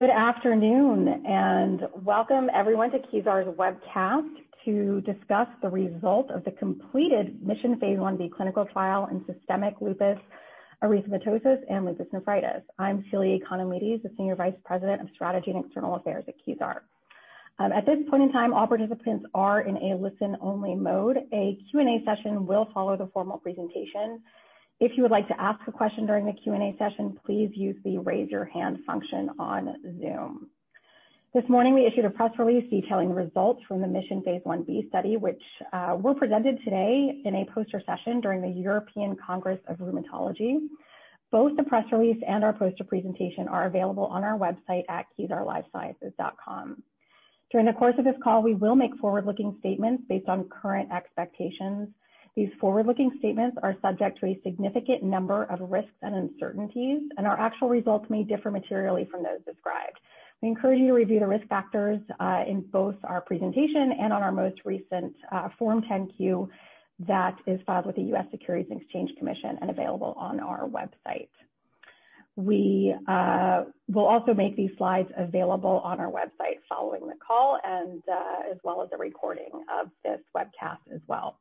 Good afternoon, welcome everyone to Kezar's webcast to discuss the result of the completed MISSION phase I-B clinical trial in systemic lupus erythematosus and lupus nephritis. I'm Celia Economides, the Senior Vice President of Strategy and External Affairs at Kezar. At this point in time, all participants are in a listen-only mode. A Q&A session will follow the formal presentation. If you would like to ask a question during the Q&A session, please use the raise your hand function on Zoom. This morning, we issued a press release detailing results from the MISSION phase I-B study, which were presented today in a poster session during the European Congress of Rheumatology. Both the press release and our poster presentation are available on our website at kezarlifesciences.com. During the course of this call, we will make forward-looking statements based on current expectations. These forward-looking statements are subject to a significant number of risks and uncertainties, and our actual results may differ materially from those described. We encourage you to review the risk factors in both our presentation and our most recent Form 10-Q that is filed with the U.S. Securities and Exchange Commission and available on our website. We will also make these slides available on our website following the call and as well as the recording of this webcast as well.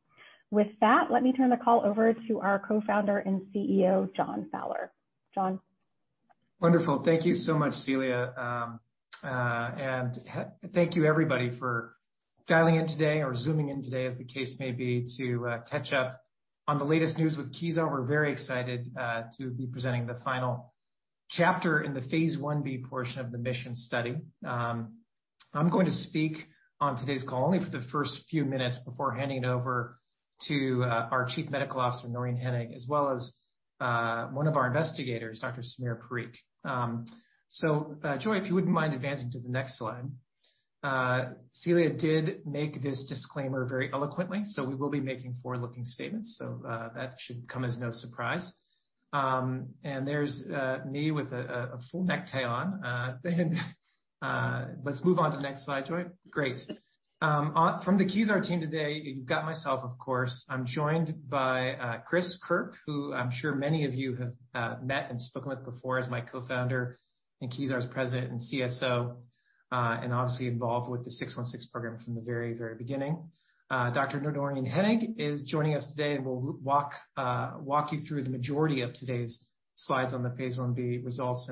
With that, let me turn the call over to our Co-Founder and CEO, John Fowler. John? Wonderful. Thank you so much, Celia. Thank you, everybody, for dialing in today or Zooming in today, as the case may be, to catch up on the latest news with Kezar. We're very excited to be presenting the final chapter in the phase I-B portion of the MISSION study. I'm going to speak on today's call only for the first few minutes before handing over to our Chief Medical Officer, Noreen Henig, as well as one of our investigators, Dr. Samir Parikh. Joy, if you wouldn't mind advancing to the next slide. Celia did make this disclaimer very eloquently, we will be making forward-looking statements, that should come as no surprise. There's me with a full necktie on. Let's move on to the next slide, Joy. Great. From the Kezar team today, you've got myself, of course. I'm joined by Chris Kirk, who I'm sure many of you have met and spoken with before as my co-founder and Kezar's president and CSO, obviously involved with the six one six program from the very beginning. Dr. Noreen Henig is joining us today and will walk you through the majority of today's slides on the phase I-B results.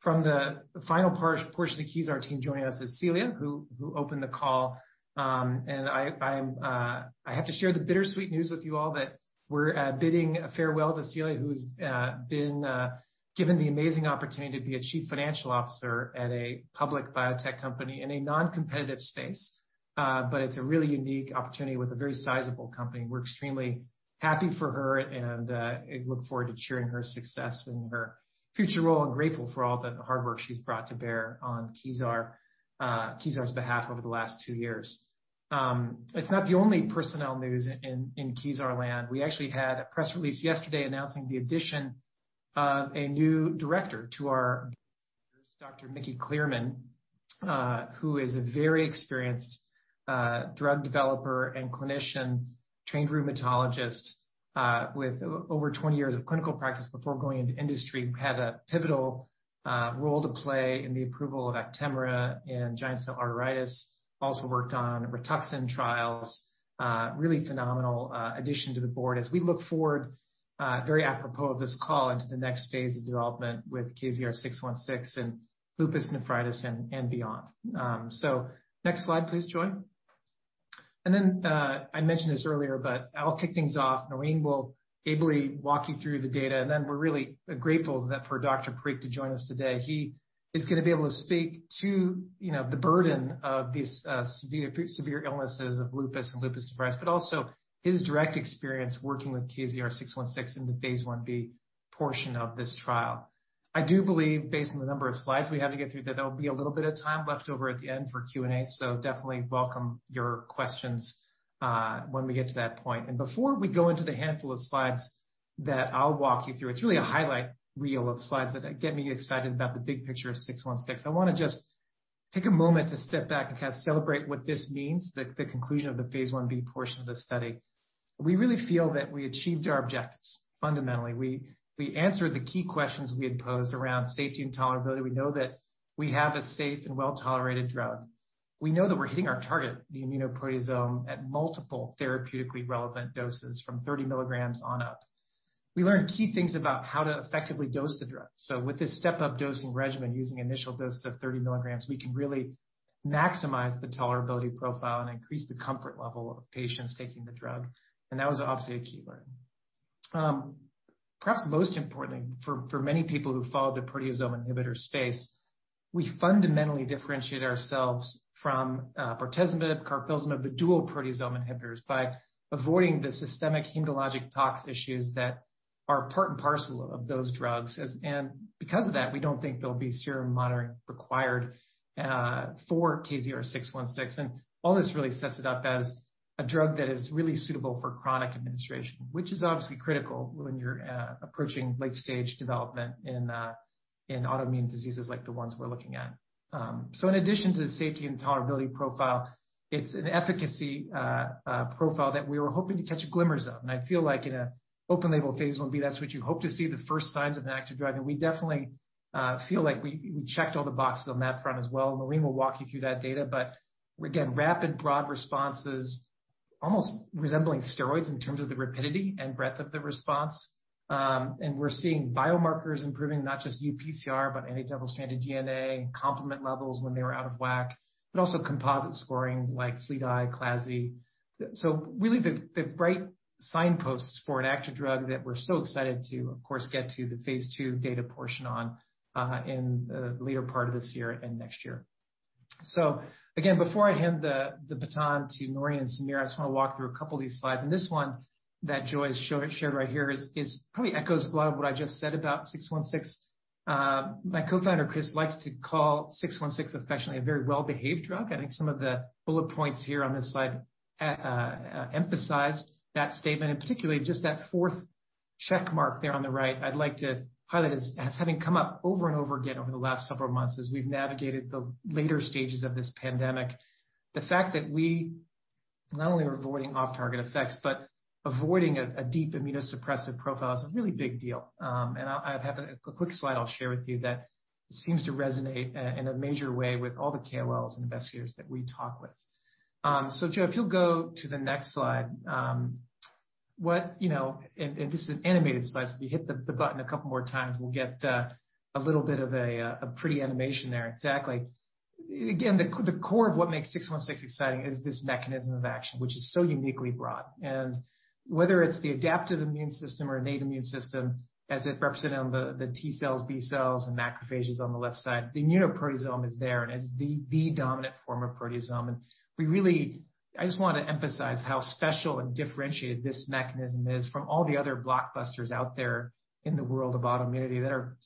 From the final portion of the Kezar team joining us is Celia, who opened the call. I have to share the bittersweet news with you all that we're bidding farewell to Celia, who's been given the amazing opportunity to be a chief financial officer at a public biotech company in a non-competitive space. It's a really unique opportunity with a very sizable company. We're extremely happy for her and look forward to cheering her success in her future role and grateful for all the hard work she's brought to bear on Kezar's behalf over the last two years. That's not the only personnel news in Kezar land. We actually had a press release yesterday announcing the addition of a new director to our Dr. Micky Cleerman, who is a very experienced drug developer and clinician, trained rheumatologist with over 20 years of clinical practice before going into industry, had a pivotal role to play in the approval of Actemra and Janssen's Stelara. Also worked on Rituxan trials. Really phenomenal addition to the board as we look forward very apropos of this call into the next phase of development with KZR-616 and lupus nephritis and beyond. Next slide, please, Joy. I mentioned this earlier, but I'll kick things off. Noreen will ably walk you through the data, and then we're really grateful for Dr. Parikh to join us today. He is going to be able to speak to the burden of these severe illnesses of lupus and lupus nephritis, but also his direct experience working with KZR-616 in the phase I-B portion of this trial. I do believe, based on the number of slides we have to get through, there'll be a little bit of time left over at the end for Q&A, so definitely welcome your questions when we get to that point. Before we go into the handful of slides that I'll walk you through, it's really a highlight reel of slides that get me excited about the big picture of 616. I want to just take a moment to step back and celebrate what this means, the conclusion of the phase I-B portion of the study. We really feel that we achieved our objectives. Fundamentally, we answered the key questions we had posed around safety and tolerability. We know that we have a safe and well-tolerated drug. We know that we're hitting our target, the immunoproteasome, at multiple therapeutically relevant doses from 30 milligrams on up. We learned key things about how to effectively dose the drug. With this step-up dosing regimen using initial dose of 30 milligrams, we can really maximize the tolerability profile and increase the comfort level of patients taking the drug, and that was obviously a key learning. Perhaps most importantly, for many people who follow the proteasome inhibitor space, we fundamentally differentiate ourselves from bortezomib, carfilzomib, the dual proteasome inhibitors, by avoiding the systemic hematologic tox issues that are part and parcel of those drugs. Because of that, we don't think there'll be serum monitoring required for KZR-616. All this really sets it up as a drug that is really suitable for chronic administration, which is obviously critical when you're approaching late-stage development in autoimmune diseases like the ones we're looking at. In addition to the safety and tolerability profile, it's an efficacy profile that we were hoping to catch a glimmer of, and I feel like in an open-label phase I-B, that's what you hope to see the first signs of an active drug. We definitely feel like we checked all the boxes on that front as well. Noreen will walk you through that data. Again, rapid broad responses. Almost resembling steroids in terms of the rapidity and breadth of the response. We're seeing biomarkers improving, not just uPCR, but anti-double stranded DNA and complement levels when they were out of whack, but also composite scoring like CDAI, CLASI. Really the bright signposts for an active drug that we're so excited to, of course, get to the phase II data portion on in the latter part of this year and next year. Again, before I hand the baton to Noreen and Samir, I just want to walk through a couple of these slides. This one that Joy shared right here probably echoes a lot of what I just said about 616. My co-founder, Chris, likes to call 616 affectionately a very well-behaved drug. I think some of the bullet points here on this slide emphasize that statement, and particularly just that fourth check mark there on the right, I'd like to highlight as something that's come up over and over again over the last several months as we've navigated the later stages of this pandemic. The fact that we not only are avoiding off-target effects, but avoiding a deep immunosuppressive profile is a really big deal. I have a quick slide I'll share with you that seems to resonate in a major way with all the KOLs and investigators that we talk with. Joy, if you'll go to the next slide. If this was an animated slide, so if we hit the button a couple more times, we'll get a little bit of a pre-animation there. Exactly. The core of what makes 616 exciting is this mechanism of action, which is so uniquely broad. Whether it's the adaptive immune system or innate immune system, as it represents the T cells, B cells, and macrophages on the left side, the immunoproteasome is there, and it's the dominant form of proteasome. I just want to emphasize how special and differentiated this mechanism is from all the other blockbusters out there in the world of autoimmunity that are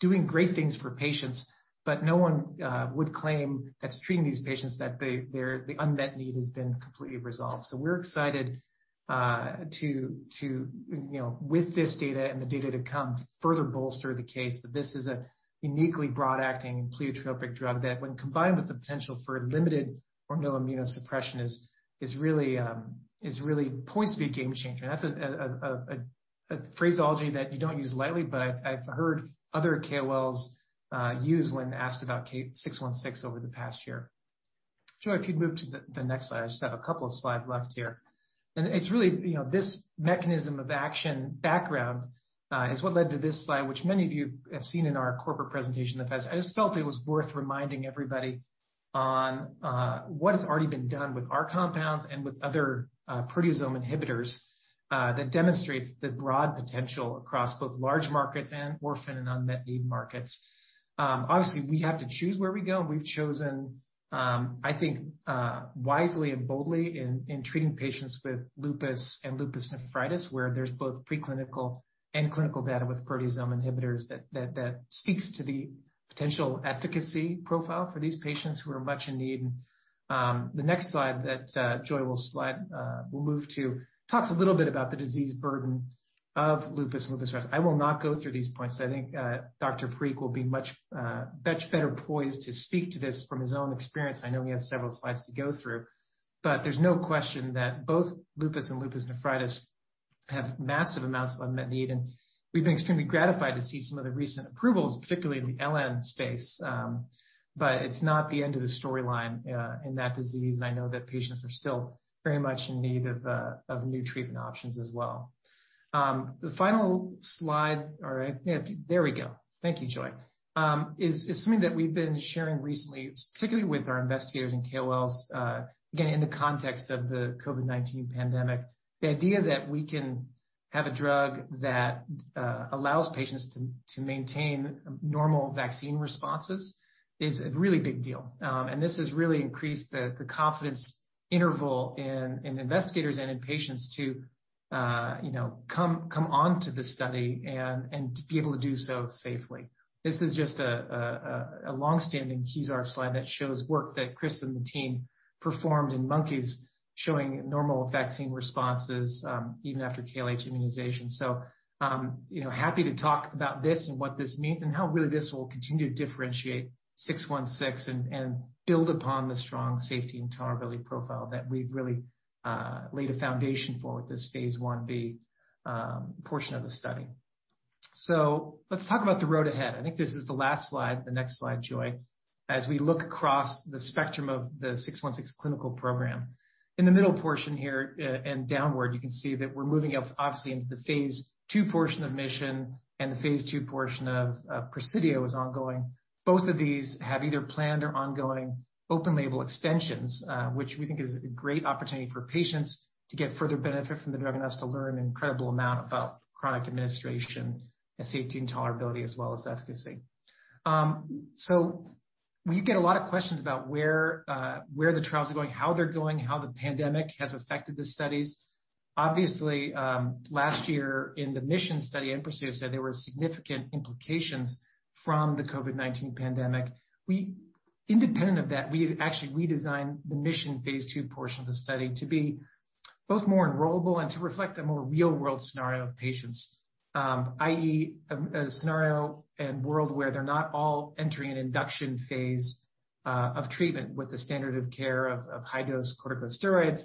doing great things for patients, but no one would claim that treating these patients that the unmet need has been completely resolved. We're excited with this data and the data to come to further bolster the case that this is a uniquely broad-acting pleiotropic drug that when combined with the potential for limited humoral immunosuppression is really poised to be a game changer. That's a phraseology that you don't use lightly, but I've heard other KOLs use when asked about 616 over the past year. Joy, if you move to the next slide. I just have a couple of slides left here. It's really this mechanism of action background is what led to this slide, which many of you have seen in our corporate presentation in the past. I just felt it was worth reminding everybody on what has already been done with our compounds and with other proteasome inhibitors that demonstrates the broad potential across both large markets and orphan and unmet need markets. Obviously, we have to choose where we go. We've chosen, I think, wisely and boldly in treating patients with lupus and lupus nephritis, where there's both pre-clinical and clinical data with proteasome inhibitors that speaks to the potential efficacy profile for these patients who are much in need. The next slide that Joy will move to talks a little bit about the disease burden of lupus nephritis. I will not go through these points. I think Dr. Parikh will be much better poised to speak to this from his own experience. I know he has several slides to go through. There's no question that both lupus and lupus nephritis have massive amounts of unmet need, and we think it's going to be gratifying to see some of the recent approvals, particularly in the LN space. It's not the end of the storyline in that disease. I know that patients are still very much in need of new treatment options as well. The final slide, there we go. Thank you, Joy. Is something that we've been sharing recently, particularly with our investigators and KOLs, again, in the context of the COVID-19 pandemic, the idea that we can have a drug that allows patients to maintain normal vaccine responses is a really big deal. This has really increased the confidence interval in investigators and in patients to come onto the study and to be able to do so safely. This is just a long-standing Kezar slide that shows work that Chris and the team performed in monkeys, showing normal vaccine responses even after KLH immunization. Happy to talk about this and what this means and how really this will continue to differentiate KZR-616 and build upon the strong safety and tolerability profile that we've really laid a foundation for with this phase I-B portion of the study. Let's talk about the road ahead. I think this is the last slide, the next slide, Joy. As we look across the spectrum of the KZR-616 clinical program. In the middle portion here and downward, you can see that we're moving obviously into the phase II portion of MISSION and the phase II portion of PRESIDIO is ongoing. Both of these have either planned or ongoing open label extensions, which we think is a great opportunity for patients to get further benefit from the drug and also learn an incredible amount about chronic administration and safety and tolerability as well as efficacy. We get a lot of questions about where the trials are going, how they're doing, how the pandemic has affected the studies. Obviously, last year in the MISSION study and PRESIDIO, there were significant implications from the COVID-19 pandemic. Independent of that, we actually redesigned the MISSION phase II portion of the study to be both more enrollable and to reflect a more real-world scenario of patients, i.e., a scenario and world where they're not all entering an induction phase of treatment with the standard of care of high-dose corticosteroids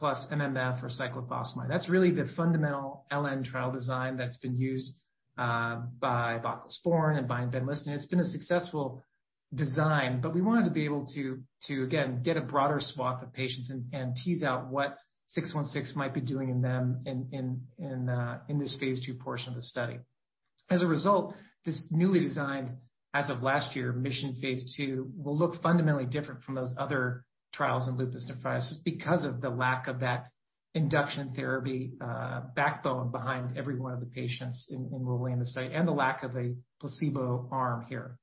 plus MMF or cyclophosphamide. That's really the fundamental LN trial design that's been used by Voclosporin and by Benlysta, and it's been a successful designed, but we wanted to be able to, again, get a broader swath of patients and tease out what 616 might be doing in them in this phase II portion of the study. As a result, this newly designed, as of last year, MISSION phase II will look fundamentally different from those other trials in lupus nephritis because of the lack of that induction therapy backbone behind every one of the patients in the way in the study and the lack of a placebo arm here.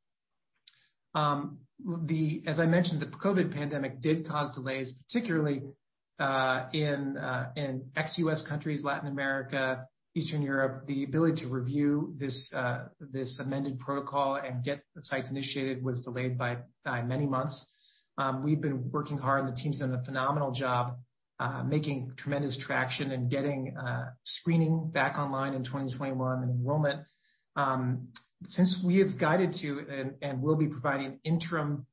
As I mentioned, the COVID pandemic did cause delays, particularly in ex-U.S. countries, Latin America, Eastern Europe. The ability to review this amended protocol and get the sites initiated was delayed by many months. We've been working hard, and the team's done a phenomenal job making tremendous traction and getting screening back online in 2021 and enrollment. Since we have guided to and will be providing interim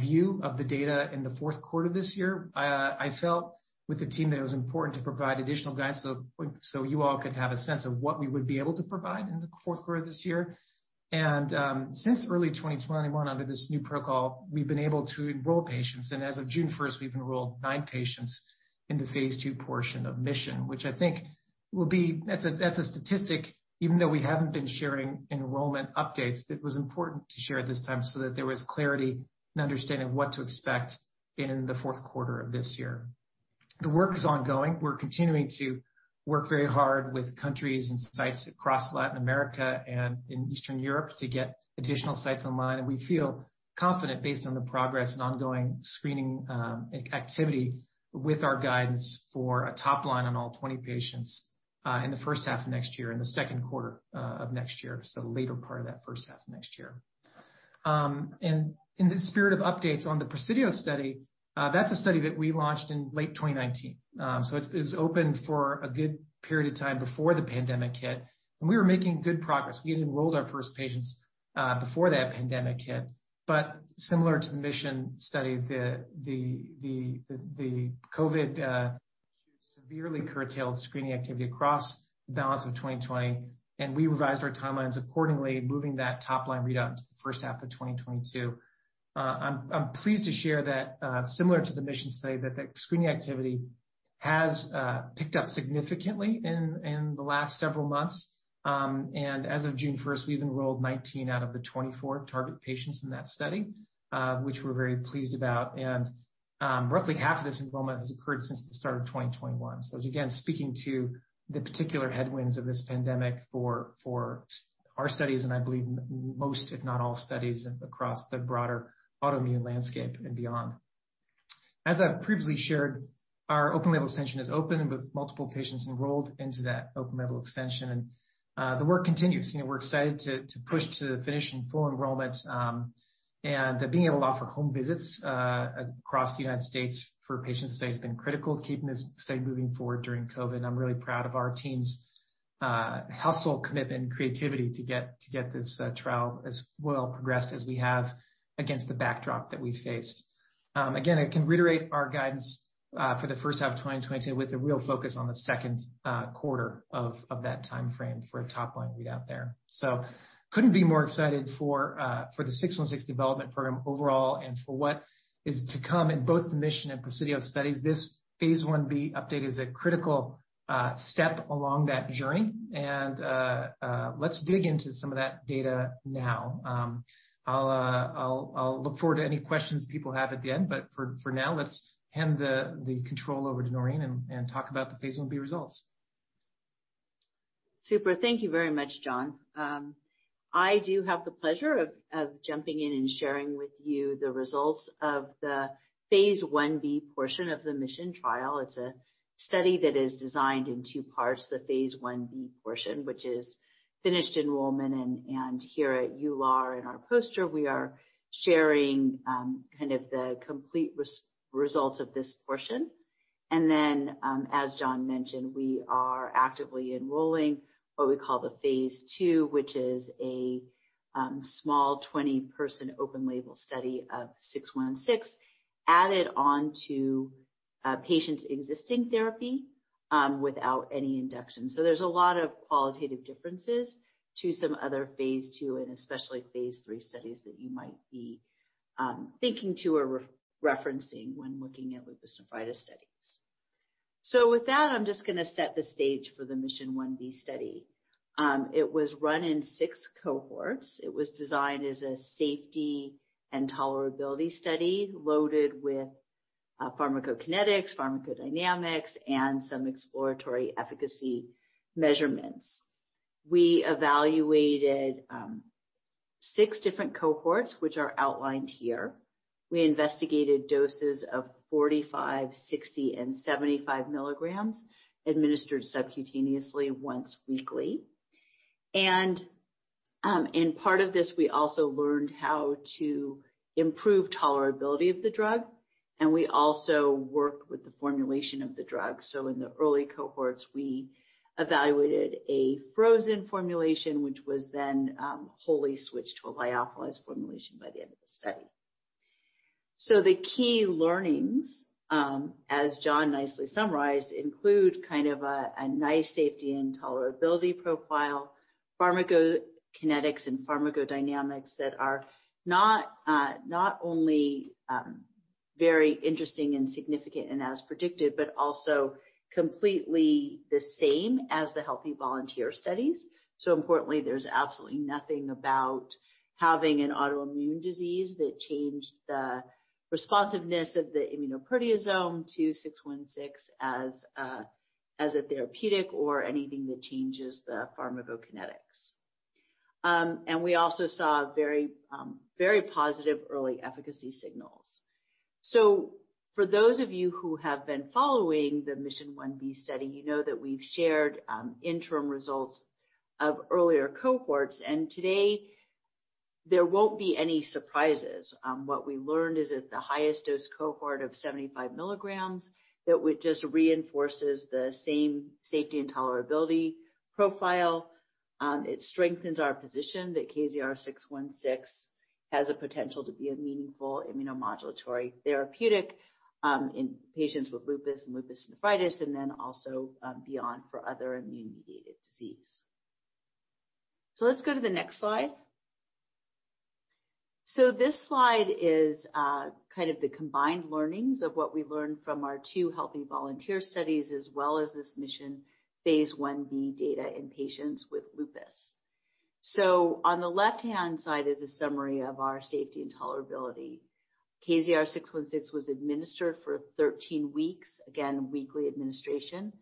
view of the data in the fourth quarter of this year, I felt with the team that it was important to provide additional guidance so you all could have a sense of what we would be able to provide in the fourth quarter of this year. Since early 2021, under this new protocol, we've been able to enroll patients, and as of June 1st, we've enrolled nine patients in the phase II portion of MISSION, which I think that's a statistic, even though we haven't been sharing enrollment updates, that was important to share this time so that there was clarity and understanding of what to expect in the fourth quarter of this year. The work is ongoing. We're continuing to work very hard with countries and sites across Latin America and in Eastern Europe to get additional sites online. We feel confident based on the progress and ongoing screening activity with our guidance for a top line on all 20 patients in the first half of next year, in the second quarter of next year, the later part of that first half of next year. In the spirit of updates on the PRESIDIO Study, that's a study that we launched in late 2019. It was open for a good period of time before the pandemic hit, and we were making good progress. We even enrolled our first patients before that pandemic hit. Similar to the MISSION Study, the COVID severely curtailed screening activity across the balance of 2020, and we revised our timelines accordingly, moving that top-line readout to the first half of 2022. I'm pleased to share that similar to the MISSION Study, that the screening activity has picked up significantly in the last several months. As of June 1st, we've enrolled 19 out of the 24 target patients in that study, which we're very pleased about. Roughly half of this enrollment has occurred since the start of 2021. Again, speaking to the particular headwinds of this pandemic for our studies, and I believe most, if not all, studies across the broader autoimmune landscape and beyond. As I've previously shared, our open-label extension is open with multiple patients enrolled into that open-label extension. The work continues, and we're excited to push to the finish and full enrollment. The being able to offer home visits across the United States for patients today has been critical to keeping this study moving forward during COVID-19. I'm really proud of our team's hustle, commitment, creativity to get this trial as well progressed as we have against the backdrop that we faced. I can reiterate our guidance for the first half of 2020 with a real focus on the second quarter of that timeframe for a top line readout there. Couldn't be more excited for the 616 development program overall and for what is to come in both the MISSION and PRESIDIO studies. This phase I-B update is a critical step along that journey. Let's dig into some of that data now. I'll look forward to any questions people have again. For now, let's hand the control over to Noreen and talk about the phase I-B results. Super. Thank you very much, John. I do have the pleasure of jumping in and sharing with you the results of the phase I-B portion of the MISSION Trial. It's a study that is designed in two parts, the phase I-B portion, which is finished enrollment, and here you are in our poster, we are sharing the complete results of this portion. As John mentioned, we are actively enrolling what we call the phase II, which is a small 20-person open label study of 616 added onto a patient's existing therapy without any induction. There's a lot of qualitative differences to some other phase II and especially phase III studies that you might be thinking to or referencing when looking at lupus nephritis studies. With that, I'm just going to set the stage for the MISSION I-B study. It was run in six cohorts. It was designed as a safety and tolerability study loaded with pharmacokinetics, pharmacodynamics, and some exploratory efficacy measurements. We evaluated six different cohorts, which are outlined here. We investigated doses of 45, 60, and 75 milligrams administered subcutaneously once weekly. In part of this, we also learned how to improve tolerability of the drug, and we also worked with the formulation of the drug. In the early cohorts, we evaluated a frozen formulation, which was then wholly switched to a lyophilized formulation by the end of the study. The key learnings, as John nicely summarized, include kind of a nice safety and tolerability profile, pharmacokinetics, and pharmacodynamics that are not only very interesting and significant and as predicted, but also completely the same as the healthy volunteer studies. Importantly, there's absolutely nothing about having an autoimmune disease that changed the responsiveness of the immunoproteasome to 616 as a therapeutic or anything that changes the pharmacokinetics. We also saw very positive early efficacy signals. For those of you who have been following the MISSION phase I-B study, you know that we've shared interim results of earlier cohorts, today there won't be any surprises. What we learned is at the highest dose cohort of 75 milligrams, that it just reinforces the same safety and tolerability profile. It strengthens our position that KZR-616 has the potential to be a meaningful immunomodulatory therapeutic in patients with lupus and lupus nephritis, and then also beyond for other immune-mediated disease. Let's go to the next slide. This slide is kind of the combined learnings of what we learned from our two healthy volunteer studies as well as this MISSION phase I-B data in patients with lupus. On the left-hand side is a summary of our safety and tolerability. KZR-616 was administered for 13 weeks, again, weekly administration.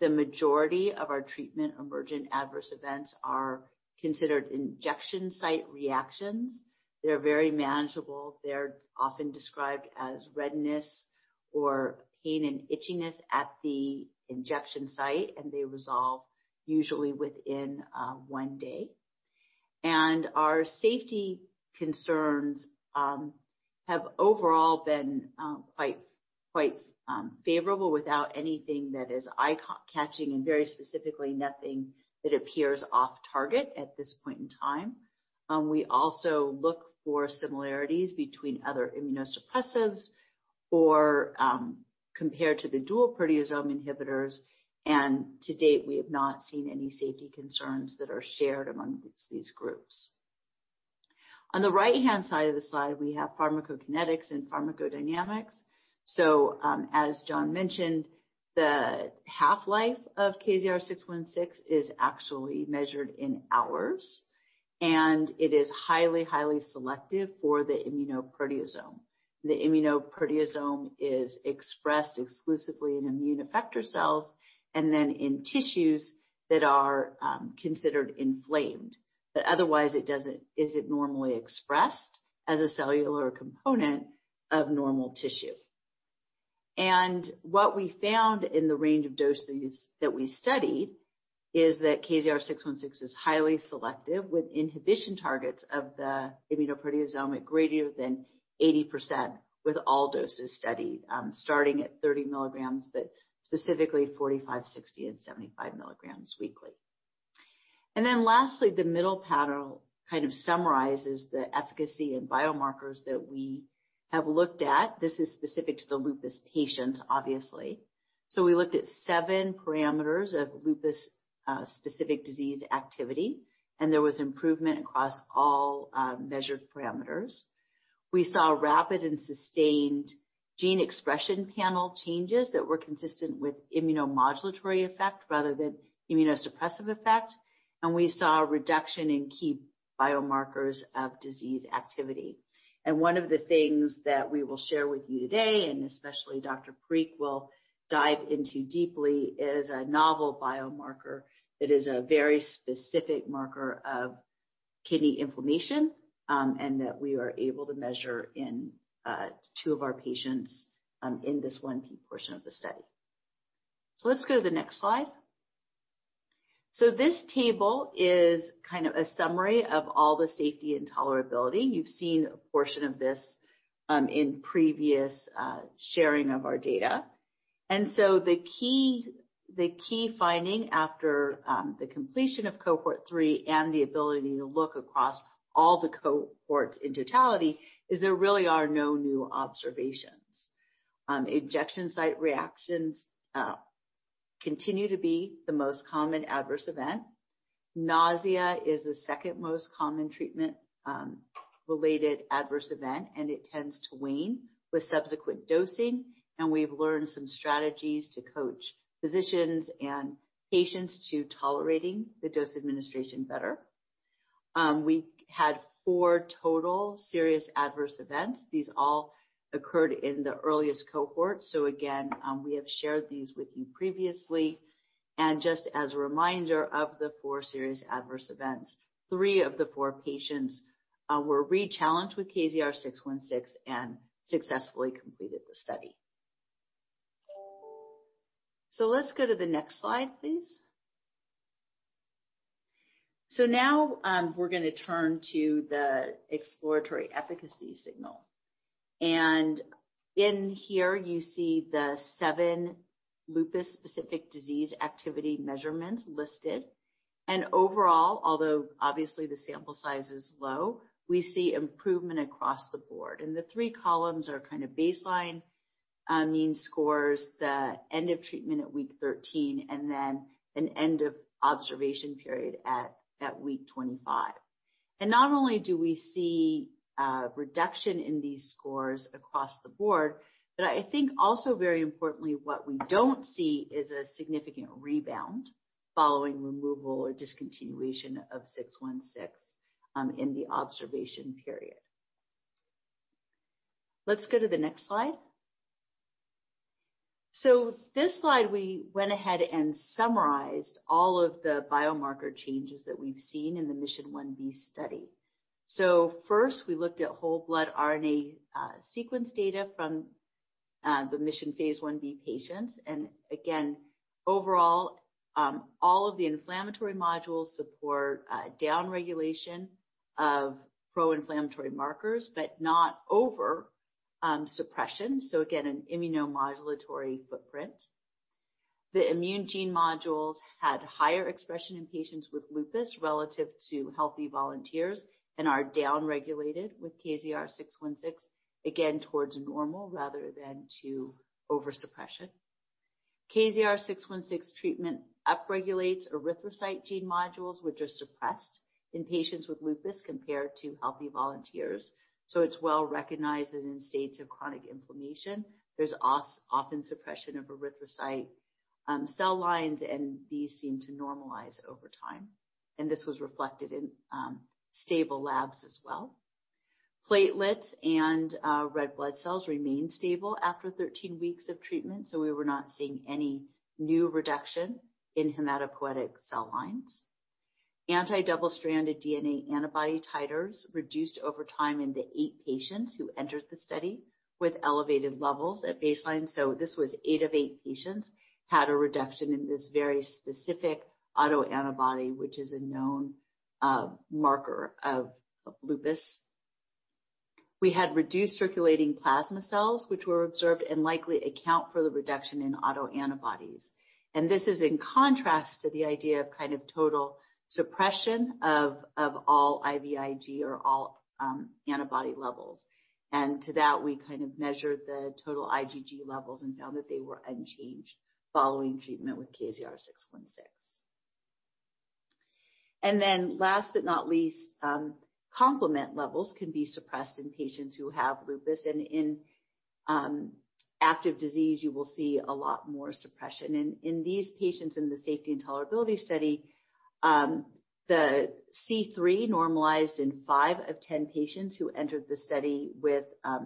The majority of our treatment-emergent adverse events are considered injection site reactions. They're very manageable. They're often described as redness or pain and itchiness at the injection site, and they resolve usually within one day. Our safety concerns have overall been quite favorable without anything that is eye-catching and very specifically nothing that appears off target at this point in time. We also look for similarities between other immunosuppressives or compared to the dual proteasome inhibitors, and to date, we have not seen any safety concerns that are shared among these groups. On the right-hand side of the slide, we have pharmacokinetics and pharmacodynamics. As John Fowler mentioned, the half-life of KZR-616 is actually measured in hours, and it is highly selective for the immunoproteasome. The immunoproteasome is expressed exclusively in immune effector cells and then in tissues that are considered inflamed. Otherwise, it isn't normally expressed as a cellular component of normal tissue. What we found in the range of doses that we study is that KZR-616 is highly selective with inhibition targets of the immunoproteasome at greater than 80% with all doses studied, starting at 30 milligrams, but specifically 45, 60, and 75 milligrams weekly. Lastly, the middle panel kind of summarizes the efficacy and biomarkers that we have looked at. This is specific to the lupus patients, obviously. So we looked at seven parameters of lupus-specific disease activity, and there was improvement across all measured parameters. We saw rapid and sustained gene expression panel changes that were consistent with immunomodulatory effect rather than immunosuppressive effect, and we saw a reduction in key biomarkers of disease activity. One of the things that we will share with you today, and especially Dr. Parikh will dive into deeply, is a novel biomarker that is a very specific marker of kidney inflammation, and that we are able to measure in two of our patients in this one key portion of the study. Let's go to the next slide. This table is kind of a summary of all the safety and tolerability. You've seen a portion of this in previous sharing of our data. The key finding after the completion of cohort three and the ability to look across all the cohorts in totality is there really are no new observations. Injection site reactions continue to be the most common adverse event. Nausea is the second most common treatment-related adverse event, and it tends to wane with subsequent dosing. We've learned some strategies to coach physicians and patients to tolerating the dose administration better. We had four total serious adverse events. These all occurred in the earliest cohort. Again, we have shared these with you previously. Just as a reminder of the four serious adverse events, three of the four patients were rechallenged with KZR-616 and successfully completed the study. Let's go to the next slide, please. Now we're going to turn to the exploratory efficacy signal. In here you see the seven lupus-specific disease activity measurements listed. Overall, although obviously the sample size is low, we see improvement across the board. The three columns are baseline mean scores, the end of treatment at week 13, and then an end of observation period at week 25. Not only do we see a reduction in these scores across the board, but I think also very importantly, what we don't see is a significant rebound following removal or discontinuation of 616 in the observation period. Let's go to the next slide. This slide, we went ahead and summarized all of the biomarker changes that we've seen in the MISSION phase I-B study. First, we looked at whole blood RNA sequence data from the MISSION phase I-B patients. Again, overall, all of the inflammatory modules support downregulation of pro-inflammatory markers, but not over suppression. Again, an immunomodulatory footprint. The immune gene modules had higher expression in patients with lupus relative to healthy volunteers and are downregulated with KZR-616, again towards normal rather than to over-suppression. KZR-616 treatment upregulates erythrocyte gene modules which are suppressed in patients with lupus compared to healthy volunteers. It's well recognized that in states of chronic inflammation, there's often suppression of erythrocyte cell lines, and these seem to normalize over time. This was reflected in stable labs as well. Platelets and red blood cells remained stable after 13 weeks of treatment, so we were not seeing any new reduction in hematopoietic cell lines. Anti-double stranded DNA antibody titers reduced over time in the eight patients who entered the study with elevated levels at baseline. This was eight of eight patients had a reduction in this very specific anti-double stranded DNA autoantibody which is a known marker of lupus. We had reduced circulating plasma cells which were observed and likely account for the reduction in autoantibodies. This is in contrast to the idea of total suppression of all IVIG or all antibody levels. To that, we measured the total IgG levels and found that they were unchanged following treatment with KZR-616. Last but not least, complement levels can be suppressed in patients who have lupus. In active disease, you will see a lot more suppression. In these patients in the safety and tolerability study, the C3 normalized in five of 10 patients who entered the study with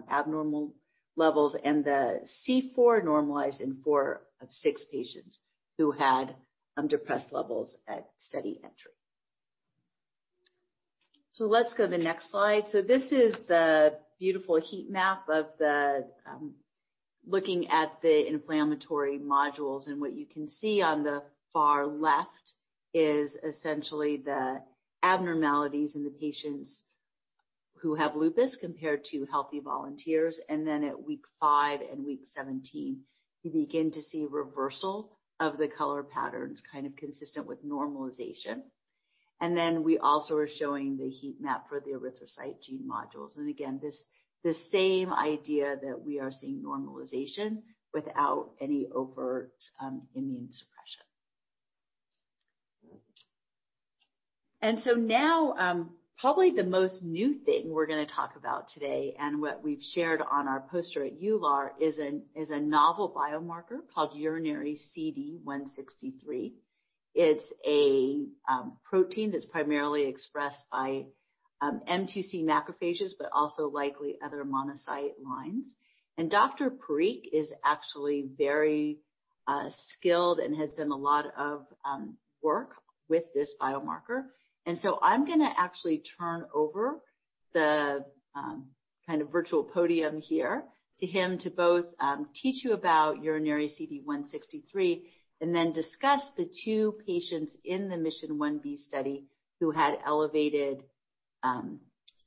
abnormal levels, and the C4 normalized in four of six patients who had depressed levels at study entry. Let's go the next slide. This is the beautiful heat map looking at the inflammatory modules. What you can see on the far left is essentially the abnormalities in the patients who have lupus compared to healthy volunteers. At week five and week 17, you begin to see a reversal of the color patterns consistent with normalization. We also are showing the heat map for the erythrocyte gene modules. The same idea that we are seeing normalization without any overt immune suppression. Probably the most new thing we're going to talk about today, and what we've shared on our poster at EULAR is a novel biomarker called urinary CD163. It's a protein that's primarily expressed by M2c macrophages but also likely other monocyte lines. Dr. Parikh is actually very skilled and has done a lot of work with this biomarker, so I'm going to actually turn over the virtual podium here to him to both teach you about urinary CD163 and then discuss the two patients in the MISSION phase I-B study who had elevated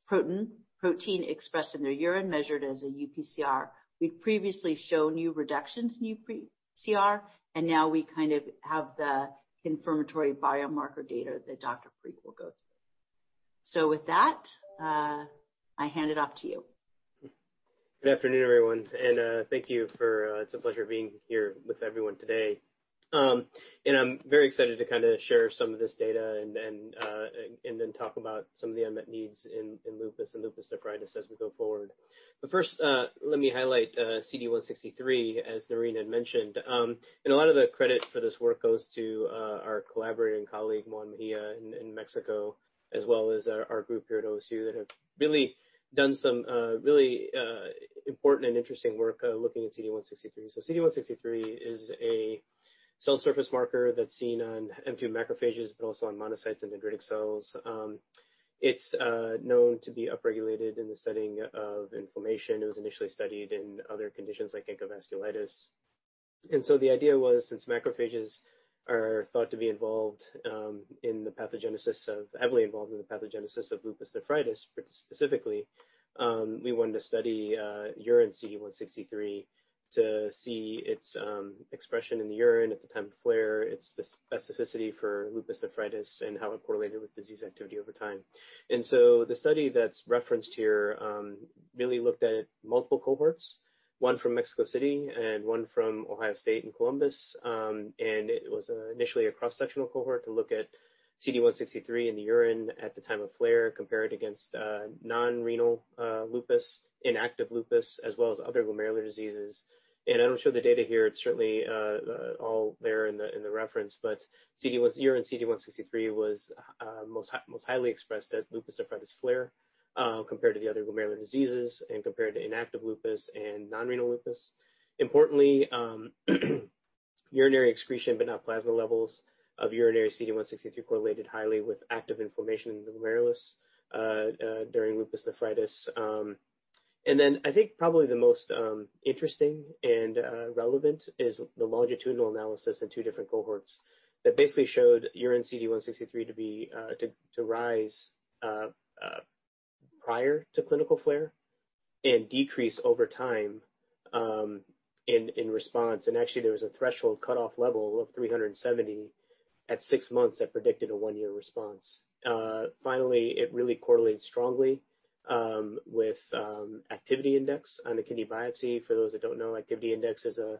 protein expressed in their urine measured as a uPCR. We've previously shown you reductions in uPCR, now we have the confirmatory biomarker data that Dr. Parikh will go through. With that, I hand it off to you. Good afternoon, everyone, thank you. It's a pleasure being here with everyone today. I'm very excited to share some of this data and then talk about some of the unmet needs in lupus and lupus nephritis as we go forward. First, let me highlight CD163 as Noreen Henig mentioned. A lot of the credit for this work goes to our collaborating colleague, Juan Mejía in Mexico, as well as our group here at The Ohio State University that have really done some really important and interesting work looking at CD163. CD163 is a cell surface marker that's seen on M2c macrophages, but also on monocytes and dendritic cells. It's known to be upregulated in the setting of inflammation. It was initially studied in other conditions like ANCA vasculitis. The idea was, since macrophages are thought to be heavily involved in the pathogenesis of lupus nephritis specifically, we wanted to study urine CD163 to see its expression in the urine at the time of flare, its specificity for lupus nephritis, and how it correlated with disease activity over time. The study that's referenced here really looked at multiple cohorts, one from Mexico City and one from Ohio State in Columbus. It was initially a cross-sectional cohort to look at CD163 in the urine at the time of flare compared against non-renal lupus, inactive lupus, as well as other glomerular diseases. I don't show the data here. It's certainly all there in the reference, urine CD163 was most highly expressed at lupus nephritis flare compared to the other glomerular diseases and compared to inactive lupus and non-renal lupus. Importantly, urinary excretion, but not plasma levels of urinary CD163 correlated highly with active inflammation in the glomerulus during lupus nephritis. Then I think probably the most interesting and relevant is the longitudinal analysis in two different cohorts that basically showed urine CD163 to rise prior to clinical flare and decrease over time in response. Actually, there was a threshold cutoff level of 370 at six months that predicted a one-year response. Finally, it really correlates strongly with activity index on a kidney biopsy. For those that don't know, activity index is a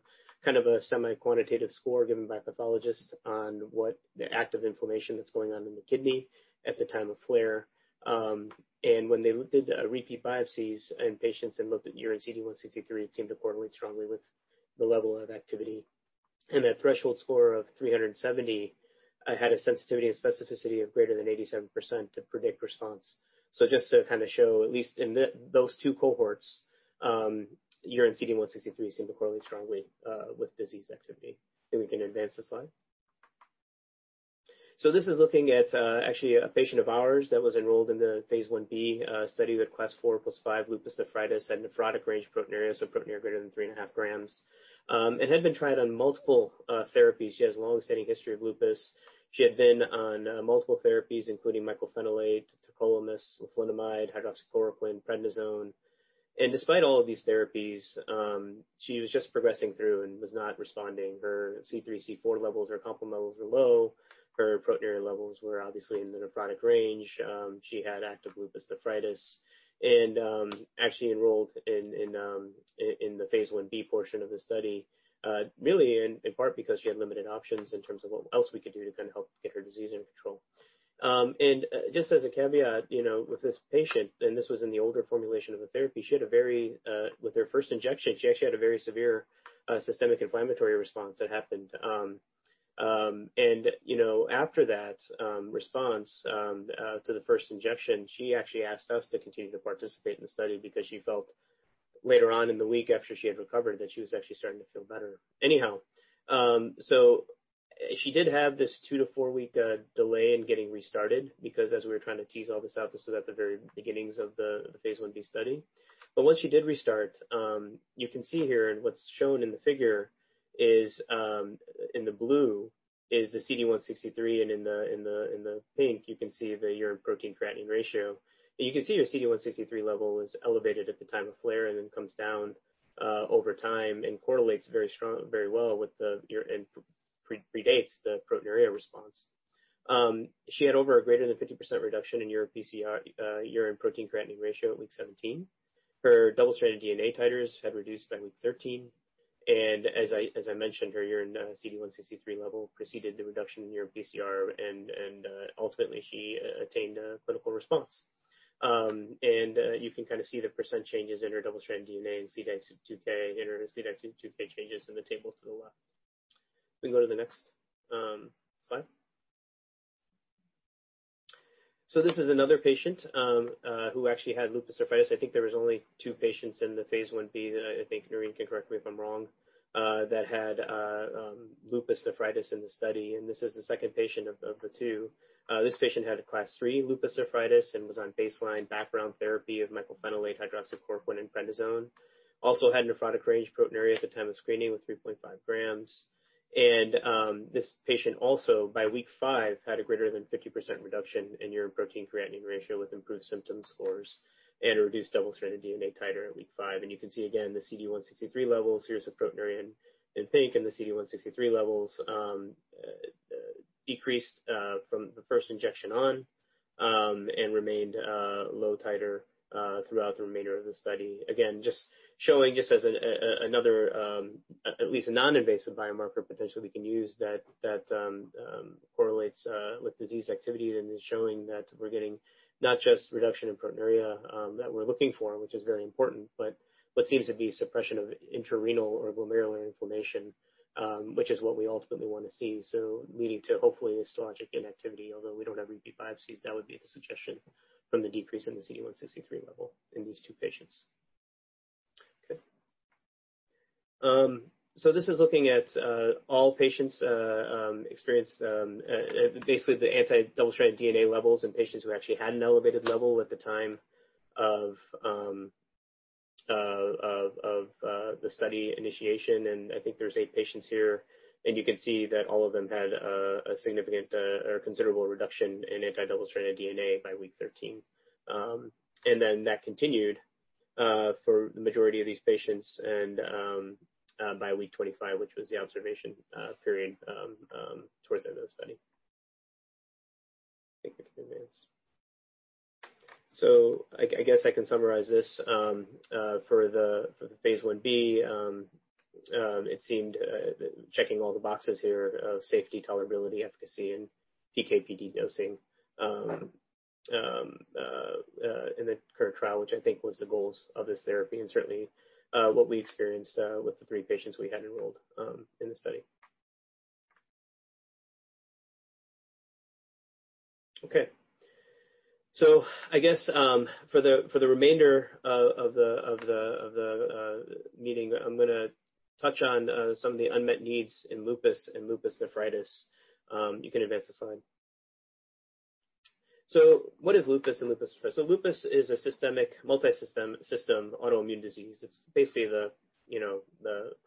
semi-quantitative score given by pathologists on what the active inflammation that's going on in the kidney at the time of flare. When they did repeat biopsies in patients and looked at urine CD163, it seemed to correlate strongly with the level of activity. A threshold score of 370 had a sensitivity and specificity of greater than 87% to predict response. Just to show, at least in those two cohorts, urine CD163 seemed to correlate strongly with disease activity. We can advance the slide. This is looking at actually a patient of ours that was enrolled in the phase I-B study with Class IV plus V lupus nephritis, had nephrotic range proteinuria, so proteinuria greater than 3.5 grams, and had been tried on multiple therapies. She has a long-standing history of lupus. She had been on multiple therapies, including mycophenolate, tacrolimus, mycophenolate mofetil, hydroxychloroquine, prednisone. Despite all of these therapies, she was just progressing through and was not responding. Her C3, C4 levels, her complement levels were low. Her proteinuria levels were obviously in the nephrotic range. She had active lupus nephritis and actually enrolled in the phase I-B portion of the study, really in part because she had limited options in terms of what else we could do to help get her disease under control. Just as a caveat, with this patient, and this was in the older formulation of the therapy, with her first injection, she actually had a very severe systemic inflammatory response that happened. After that response to the first injection, she actually asked us to continue to participate in the study because she felt later on in the week after she had recovered, that she was actually starting to feel better. She did have this two to four-week delay in getting restarted because as we were trying to tease all this out, this was at the very beginnings of the phase I-B study. Once she did restart, you can see here and what's shown in the figure in the blue is the CD163, and in the pink, you can see the urine protein-creatinine ratio. You can see her CD163 level was elevated at the time of flare and then comes down over time and correlates very well with the urine predates the proteinuria response. She had over a greater than 50% reduction in urine protein-creatinine ratio at week 17. Her double-stranded DNA titers had reduced by week 13. As I mentioned, her urine CD163 level preceded the reduction in urine PCR, and ultimately, she attained a clinical response. You can see the % changes in her anti-double stranded DNA and SLEDAI-2K, and her SLEDAI-2K changes in the table to the left. We can go to the next slide. This is another patient who actually had lupus nephritis. I think there was only two patients in the phase I-B that I think, and you can correct me if I'm wrong, that had lupus nephritis in the study, and this is the second patient of the two. This patient had a Class III lupus nephritis and was on baseline background therapy of mycophenolate, hydroxychloroquine, and prednisone. Also had nephrotic range proteinuria at the time of screening with 3.5 grams. This patient also, by week five, had a greater than 50% reduction in urine protein-to-creatinine ratio with improved symptom scores and a reduced anti-double stranded DNA titer at week five. You can see again the CD163 levels. Here's the proteinuria in pink. The CD163 levels decreased from the first injection on and remained low titer throughout the remainder of the study. Again, just showing just as another at least a non-invasive biomarker potentially we can use that correlates with disease activity and is showing that we're getting not just reduction in proteinuria that we're looking for, which is very important, but what seems to be suppression of intra-renal or glomerular inflammation, which is what we ultimately want to see. Leading to, hopefully, histologic inactivity, although we don't have any biopsies, that would be the suggestion from the decrease in the CD163 level in these two patients. Okay. This is looking at all patients experienced, basically the anti-double stranded DNA levels in patients who actually had an elevated level at the time of the study initiation, and I think there's eight patients here, and you can see that all of them had a significant or considerable reduction in anti-double-stranded DNA by week 13. That continued for the majority of these patients and by week 25, which was the observation period towards the end of the study. You can advance. I guess I can summarize this for the phase I-B, it seemed, checking all the boxes here of safety, tolerability, efficacy, and PK/PD dosing in the current trial, which I think was the goals of this therapy and certainly what we experienced with the three patients we had enrolled in the study. Okay. I guess for the remainder of the meeting, I'm going to touch on some of the unmet needs in lupus and lupus nephritis. You can advance the slide. What is lupus and lupus nephritis? Lupus is a systemic, multi-system autoimmune disease. It's basically the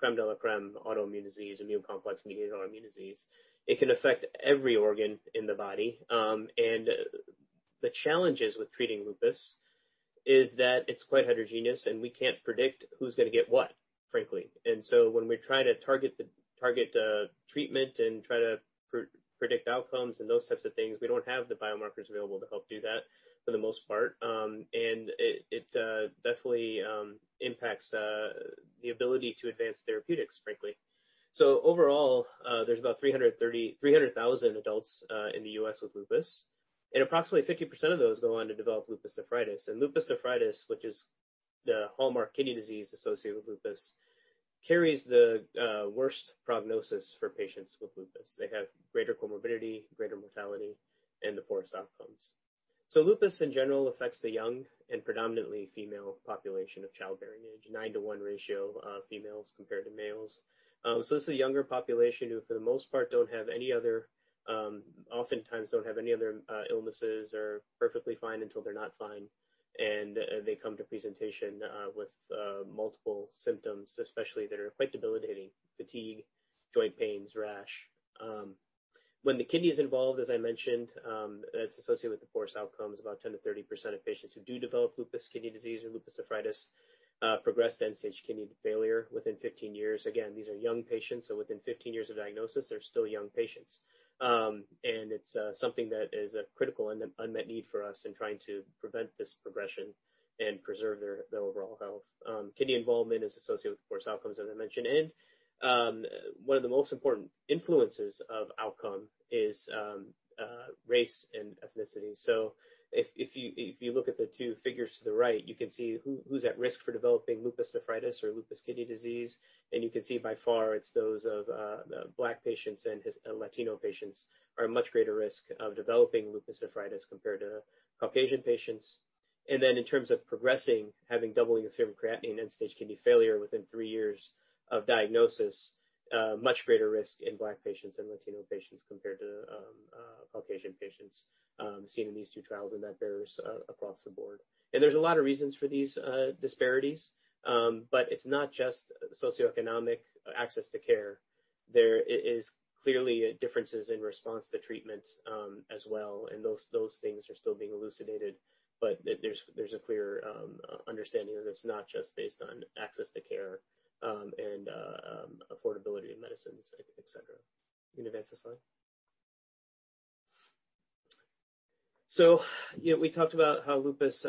crème de la crème autoimmune disease, immune complex-mediated autoimmune disease. It can affect every organ in the body. The challenges with treating lupus is that it's quite heterogeneous, and we can't predict who's going to get what, frankly. When we try to target the treatment and try to predict outcomes and those types of things, we don't have the biomarkers available to help do that for the most part. It definitely impacts the ability to advance therapeutics, frankly. Overall, there's about 300,000 adults in the U.S. with lupus, and approximately 50% of those go on to develop lupus nephritis. Lupus nephritis, which is the hallmark kidney disease associated with lupus, carries the worst prognosis for patients with lupus. They have greater comorbidity, greater mortality, and the poorest outcomes. Lupus, in general, affects the young and predominantly female population of childbearing age, 9:1 ratio of females compared to males. This is a younger population who for the most part oftentimes don't have any other illnesses, are perfectly fine until they're not fine. They come to presentation with multiple symptoms especially that are quite debilitating, fatigue, joint pains, rash. When the kidney's involved, as I mentioned, it's associated with the poorest outcomes. About 10%-30% of patients who do develop lupus kidney disease or lupus nephritis progress to end-stage kidney failure within 15 years. Again, these are young patients, so within 15 years of diagnosis, they're still young patients. It's something that is a critical unmet need for us in trying to prevent this progression and preserve their overall health. Kidney involvement is associated with poor outcomes, as I mentioned. One of the most important influences of outcome is race and ethnicity. If you look at the two figures to the right, you can see who's at risk for developing lupus nephritis or lupus kidney disease. You can see by far it's those of Black patients and Latino patients are at much greater risk of developing lupus nephritis compared to Caucasian patients. In terms of progressing, having doubling in serum creatinine, end-stage kidney failure within three years of diagnosis, much greater risk in Black patients and Latino patients compared to Caucasian patients seen in these two trials, and that bears across the board. There's a lot of reasons for these disparities, but it's not just socioeconomic access to care. There is clearly differences in response to treatments as well, and those things are still being elucidated. There's a clear understanding that it's not just based on access to care and affordability of medicines, et cetera. You can advance the slide. Yeah, we talked about how lupus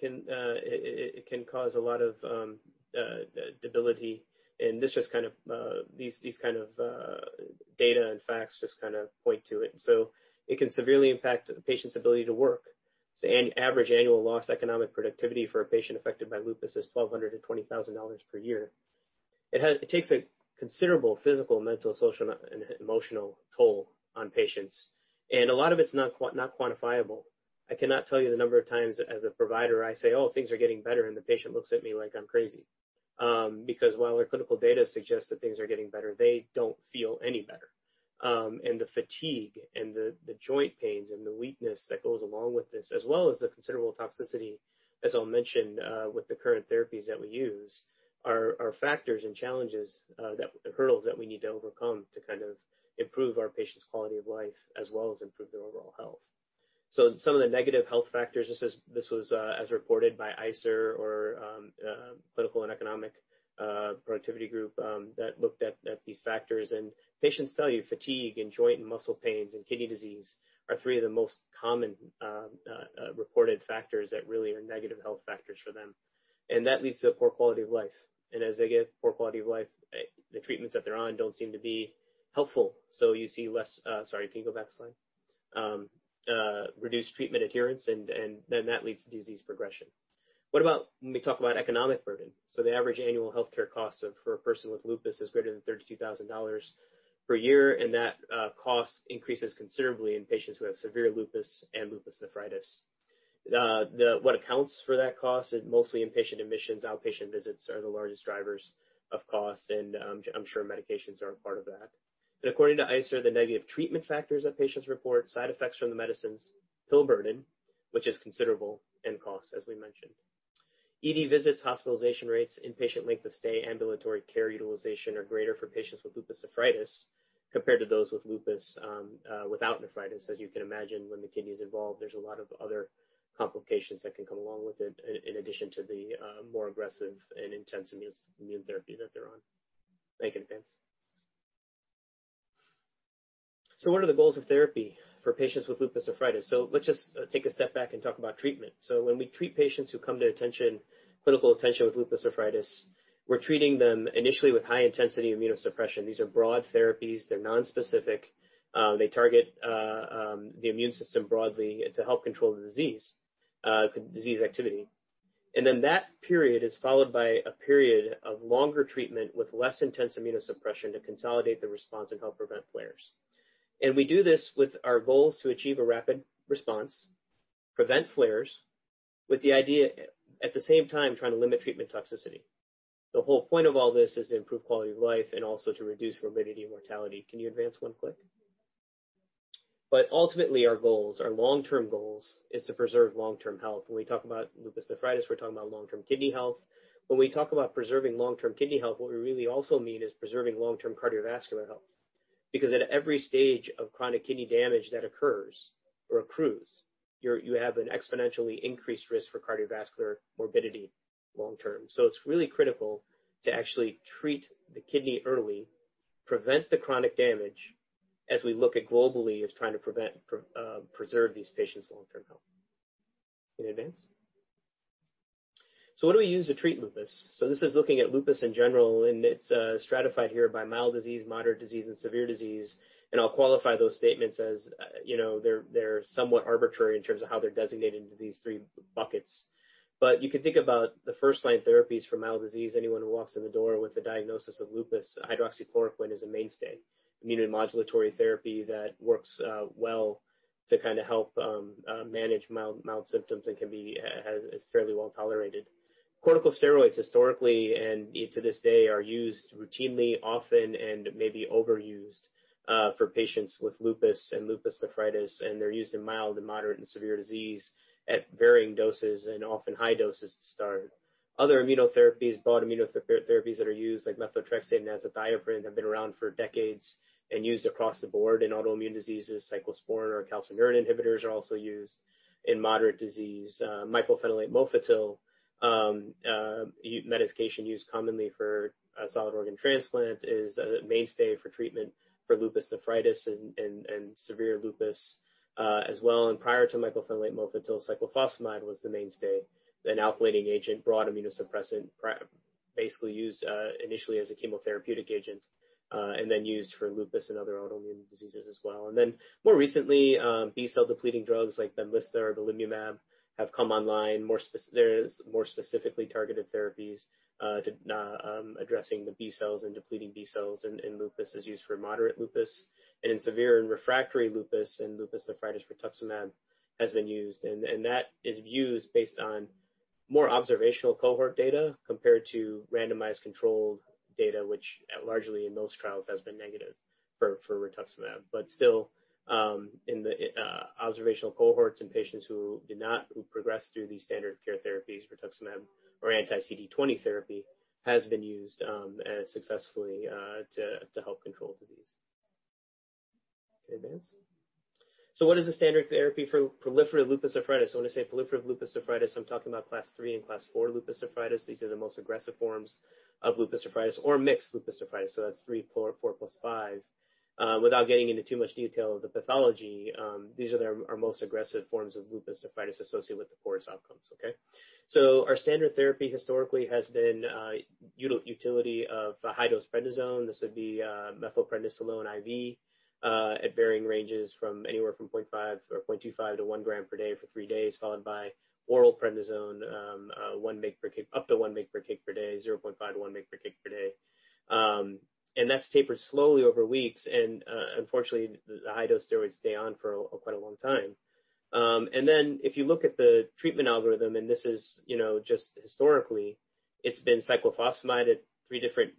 can cause a lot of debility, and these kind of data and facts just point to it. It can severely impact the patient's ability to work. An average annual lost economic productivity for a patient affected by lupus is $120,000 per year. It takes a considerable physical, mental, social, and emotional toll on patients. A lot of it's not quantifiable. I cannot tell you the number of times as a provider I say, "Oh, things are getting better," and the patient looks at me like I'm crazy. While our clinical data suggests that things are getting better, they don't feel any better. The fatigue and the joint pains and the weakness that goes along with this, as well as the considerable toxicity, as I'll mention with the current therapies that we use, are factors and challenges, the hurdles that we need to overcome to improve our patients' quality of life as well as improve their overall health. Some of the negative health factors, this was as reported by ICER or clinical and economic productivity group that looked at these factors. Patients tell you fatigue and joint and muscle pains and kidney disease are three of the most common reported factors that really are negative health factors for them. That leads to poor quality of life. As they get poor quality of life, the treatments that they're on don't seem to be helpful. Can you go back a slide? Reduced treatment adherence, that leads to disease progression. What about when we talk about economic burden? The average annual healthcare cost for a person with lupus is greater than $32,000 per year, that cost increases considerably in patients who have severe lupus and lupus nephritis. What accounts for that cost? Mostly inpatient admissions, outpatient visits are the largest drivers of cost, and I'm sure medications are a part of that. According to ICER, the negative treatment factors that patients report, side effects from the medicines, pill burden, which is considerable, and cost, as we mentioned. ED visits, hospitalization rates, inpatient length of stay, ambulatory care utilization are greater for patients with lupus nephritis compared to those with lupus without nephritis. As you can imagine, when the kidney is involved, there's a lot of other complications that can come along with it in addition to the more aggressive and intense immune therapy that they're on. Thank you. Advance. What are the goals of therapy for patients with lupus nephritis? Let's just take a step back and talk about treatment. When we treat patients who come to clinical attention with lupus nephritis, we're treating them initially with high-intensity immunosuppression. These are broad therapies. They're non-specific. They target the immune system broadly to help control the disease activity. That period is followed by a period of longer treatment with less intense immunosuppression to consolidate the response and help prevent flares. We do this with our goals to achieve a rapid response, prevent flares, with the idea at the same time trying to limit treatment toxicity. The whole point of all this is to improve quality of life and also to reduce morbidity and mortality. Can you advance one click? Ultimately, our goals, our long-term goals, is to preserve long-term health. When we talk about lupus nephritis, we're talking about long-term kidney health. When we talk about preserving long-term kidney health, what we really also mean is preserving long-term cardiovascular health. At every stage of chronic kidney damage that occurs or accrues, you have an exponentially increased risk for cardiovascular morbidity long term. It's really critical to actually treat the kidney early, prevent the chronic damage, as we look at globally of trying to preserve these patients' long-term health. Can you advance? What do we use to treat lupus? This is looking at lupus in general, and it's stratified here by mild disease, moderate disease, and severe disease. I'll qualify those statements as they're somewhat arbitrary in terms of how they're designated into these three buckets. You can think about the first-line therapies for mild disease. Anyone who walks in the door with a diagnosis of lupus, hydroxychloroquine is a mainstay immunomodulatory therapy that works well to help manage mild symptoms and is fairly well-tolerated. Corticosteroids, historically and to this day, are used routinely, often, and maybe overused for patients with lupus and lupus nephritis. They're used in mild, moderate, and severe disease at varying doses and often high doses to start. Other immunotherapies, broad immunotherapies that are used like methotrexate, azathioprine have been around for decades and used across the board in autoimmune diseases. Cyclosporine or calcineurin inhibitors are also used in moderate disease. mycophenolate mofetil, a medication used commonly for solid organ transplant, is a mainstay for treatment for lupus nephritis and severe lupus as well. Prior to mycophenolate mofetil, cyclophosphamide was the mainstay, an alkylating agent, broad immunosuppressant, basically used initially as a chemotherapeutic agent and then used for lupus and other autoimmune diseases as well. More recently, B cell depleting drugs like Benlysta or Belimumab have come online. There's more specifically targeted therapies addressing the B cells and depleting B cells in lupus is used for moderate lupus. In severe and refractory lupus and lupus nephritis, rituximab has been used. That is used based on more observational cohort data compared to randomized controlled data, which largely in those trials has been negative for rituximab. Still, in the observational cohorts in patients who do not progress through these standard care therapies, rituximab or anti-CD20 therapy has been used successfully to help control disease. Can you advance? What is the standard therapy for proliferative lupus nephritis? When I say proliferative lupus nephritis, I'm talking about Class III and Class IV lupus nephritis. These are the most aggressive forms of lupus nephritis or mixed lupus nephritis, that's III, IV plus V. Without getting into too much detail of the pathology, these are our most aggressive forms of lupus nephritis associated with the poorest outcomes. Okay. Our standard therapy historically has been utility of high-dose prednisone. This would be methylprednisolone IV at varying ranges from anywhere from 0.5 or 0.25 to one gram per day for three days, followed by oral prednisone up to one mg per kg per day, 0.5-1 mg per kg per day. That's tapered slowly over weeks. Unfortunately, the high-dose steroids stay on for quite a long time. If you look at the treatment algorithm, and this is just historically, it's been cyclophosphamide at three different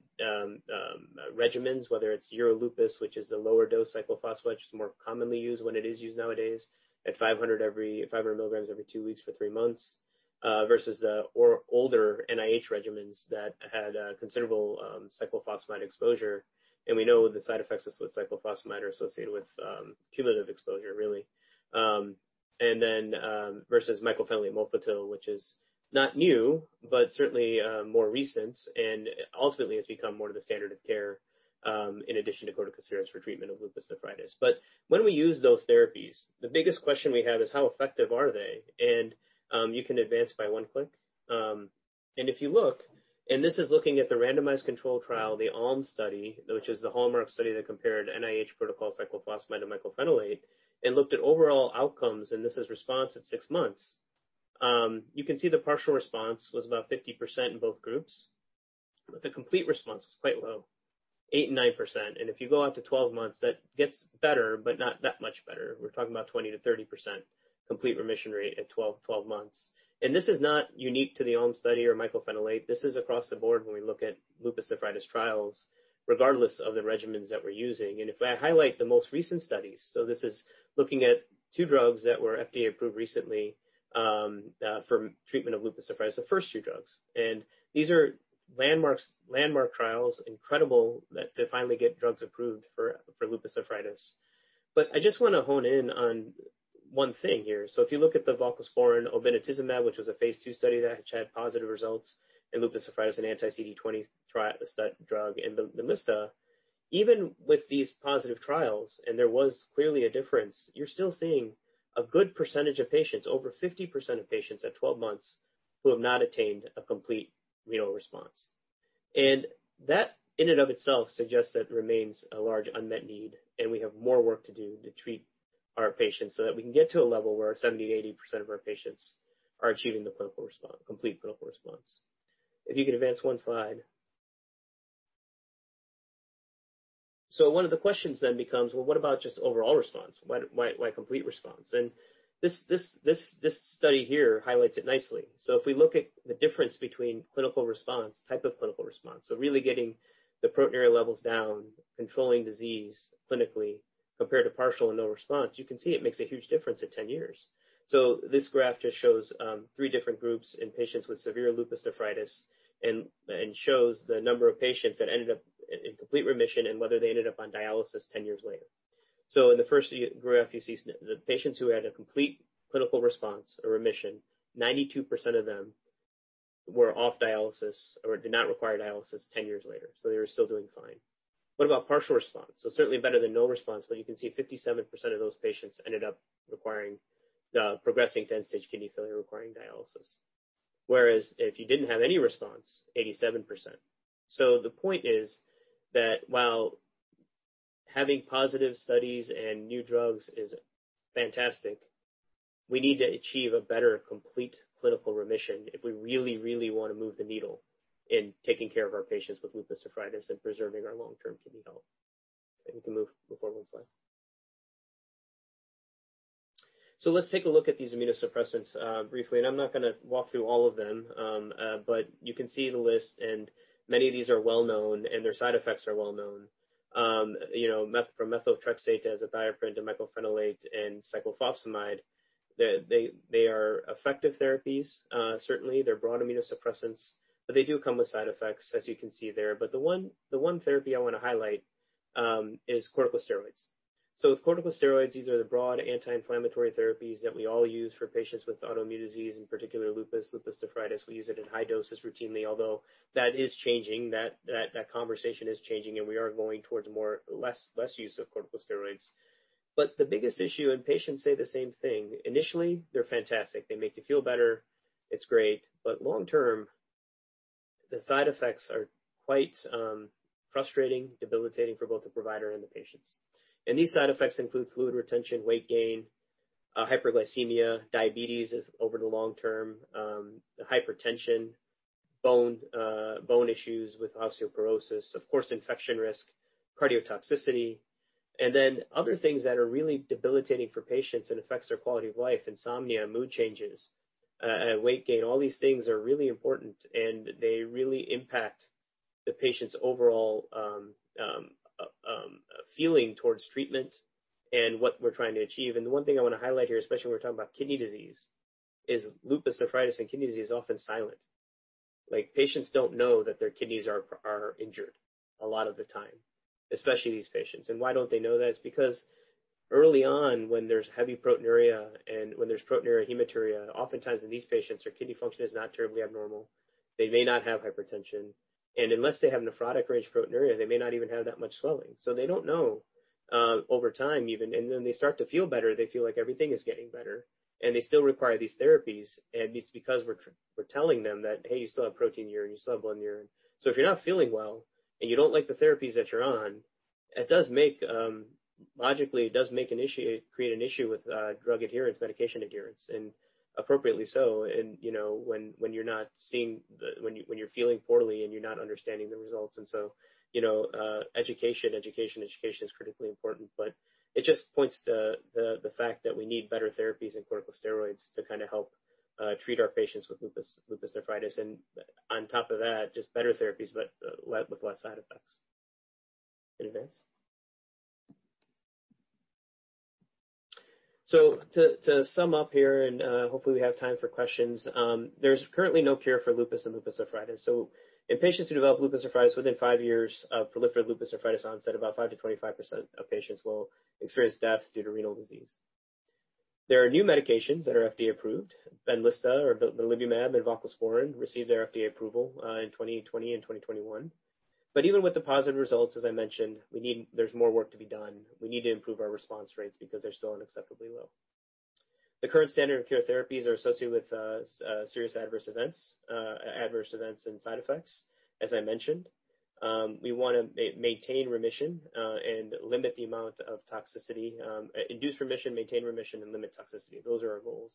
regimens. Whether it's Euro-Lupus, which is a lower dose cyclophosphamide, which is more commonly used when it is used nowadays at 500 milligrams every two weeks for three months versus the older NIH regimens that had considerable cyclophosphamide exposure. We know what the side effects of cyclophosphamide are associated with cumulative exposure, really. Versus mycophenolate mofetil, which is not new, but certainly more recent, and ultimately has become more of the standard of care in addition to corticosteroids for treatment of lupus nephritis. When we use those therapies, the biggest question we have is how effective are they? You can advance by one click. If you look, and this is looking at the randomized control trial, the ALMS study, which is the hallmark study that compared NIH protocol cyclophosphamide and mycophenolate. It looked at overall outcomes, and this is response at six months. You can see the partial response was about 50% in both groups. The complete response is quite low, 8%-9%. If you go out to 12 months, that gets better, but not that much better. We're talking about 20%-30% complete remission rate at 12 months. This is not unique to the ALMS study or mycophenolate. This is across the board when we look at lupus nephritis trials, regardless of the regimens that we're using. If I highlight the most recent studies, this is looking at two drugs that were FDA approved recently, for treatment of lupus nephritis, the first two drugs. These are landmark trials, incredible to finally get drugs approved for lupus nephritis. I just want to hone in on one thing here. If you look at the voclosporin obinutuzumab, which was a phase II study that had positive results in lupus nephritis, an anti-CD20 drug, and Benlysta. Even with these positive trials, and there was clearly a difference, you're still seeing a good percentage of patients, over 50% of patients at 12 months, who have not attained a complete renal response. That in and of itself suggests that remains a large unmet need, and we have more work to do to treat our patients so that we can get to a level where 70%-80% of our patients are achieving the complete clinical response. If you could advance one slide. One of the questions then becomes, well, what about just overall response? Why complete response? This study here highlights it nicely. If we look at the difference between clinical response, type of clinical response, so really getting the proteinuria levels down, controlling disease clinically compared to partial and no response, you can see it makes a huge difference at 10 years. This graph just shows three different groups in patients with severe lupus nephritis and shows the number of patients that ended up in complete remission and whether they ended up on dialysis 10 years later. In the first graph, you see the patients who had a complete clinical response or remission, 92% of them were off dialysis or did not require dialysis 10 years later. They were still doing fine. What about partial response? Certainly better than no response, but you can see 57% of those patients ended up progressing to end-stage kidney failure requiring dialysis. Whereas if you didn't have any response, 87%. The point is that while having positive studies and new drugs is fantastic, we need to achieve a better complete clinical remission if we really want to move the needle in taking care of our patients with lupus nephritis and preserving our long-term kidney health. You can move forward one slide. Let's take a look at these immunosuppressants briefly. I'm not going to walk through all of them, but you can see the list, and many of these are well known, and their side effects are well known. From methotrexate to azathioprine, to mycophenolate, and cyclophosphamide, they are effective therapies. Certainly, they're broad immunosuppressants, but they do come with side effects, as you can see there. The one therapy I want to highlight is corticosteroids. With corticosteroids, these are the broad anti-inflammatory therapies that we all use for patients with autoimmune disease, in particular lupus nephritis. We use it in high doses routinely, although that is changing, that conversation is changing, and we are going towards less use of corticosteroids. The biggest issue, and patients say the same thing, initially, they're fantastic. They make you feel better. It's great. Long term, the side effects are quite frustrating, debilitating for both the provider and the patients. These side effects include fluid retention, weight gain, hyperglycemia, diabetes over the long term, hypertension, bone issues with osteoporosis, of course, infection risk, cardiotoxicity, and then other things that are really debilitating for patients and affects their quality of life, insomnia, mood changes, weight gain. All these things are really important, they really impact the patient's overall feeling towards treatment and what we're trying to achieve. The one thing I want to highlight here, especially when we're talking about kidney disease, is lupus nephritis and kidney disease are often silent. Patients don't know that their kidneys are injured a lot of the time, especially these patients. Why don't they know that? It's because early on, when there's heavy proteinuria and when there's proteinuria hematuria, oftentimes in these patients, their kidney function is not terribly abnormal. They may not have hypertension. Unless they have nephrotic range proteinuria, they may not even have that much swelling. They don't know, over time even. When they start to feel better, they feel like everything is getting better, and they still require these therapies. It's because we're telling them that, "Hey, you still have proteinuria, you still have blood in urine." If you're not feeling well and you don't like the therapies that you're on, logically, it does create an issue with drug adherence, medication adherence, and appropriately so, when you're feeling poorly and you're not understanding the results. Education is critically important. It just points to the fact that we need better therapies than corticosteroids to help treat our patients with lupus nephritis. On top of that, just better therapies, but with less side effects. To sum up here, and hopefully we have time for questions. There's currently no cure for lupus and lupus nephritis. In patients who develop lupus nephritis, within five years of proliferative lupus nephritis onset, about 5%-25% of patients will experience death due to renal disease. There are new medications that are FDA approved. Benlysta or Belimumab, their voclosporin received their FDA approval in 2020 and 2021. Even with the positive results, as I mentioned, there's more work to be done. We need to improve our response rates because they're still unacceptably low. The current standard of care therapies are associated with serious adverse events and side effects, as I mentioned. We want to maintain remission and limit the amount of toxicity. Induce remission, maintain remission, and limit toxicity. Those are our goals.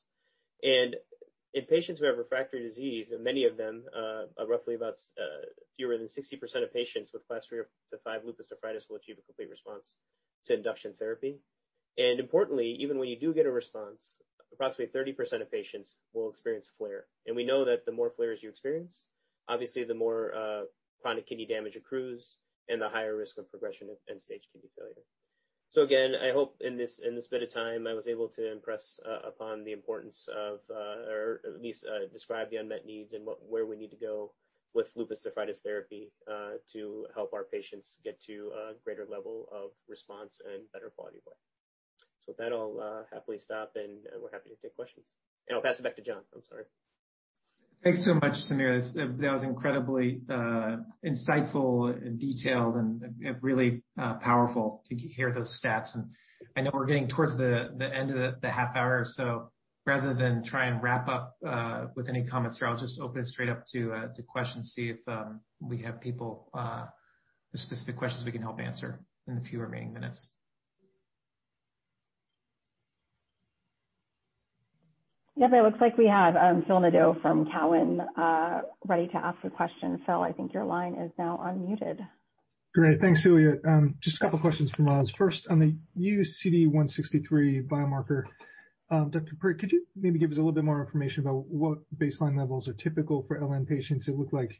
In patients who have refractory disease, and many of them are roughly about fewer than 60% of patients with Class III to V lupus nephritis will achieve a complete response to induction therapy. Importantly, even when you do get a response, approximately 30% of patients will experience flare. We know that the more flares you experience, obviously the more chronic kidney damage accrues and the higher risk of progression of end-stage kidney failure. Again, I hope in this bit of time, I was able to impress upon the importance of, or at least describe the unmet needs and where we need to go with lupus nephritis therapy to help our patients get to a greater level of response and better quality of life. With that, I'll happily stop and we're happy to take questions. I'll pass it back to John. I'm sorry. Thanks so much, Samir. That was incredibly insightful and detailed and really powerful to hear those stats. I know we're getting towards the end of the half hour, so rather than try and wrap up with any comments there, I'll just open straight up to questions, see if we have people with specific questions we can help answer in the few remaining minutes. It looks like we have Philip Nadeau from Cowen ready to ask a question. Philip, I think your line is now unmuted. Great. Thanks, Celia. Just a couple questions from us. First on the new CD163 biomarker, Samir Parikh, could you maybe give us a little bit more information about what baseline levels are typical for LN patients? It looked like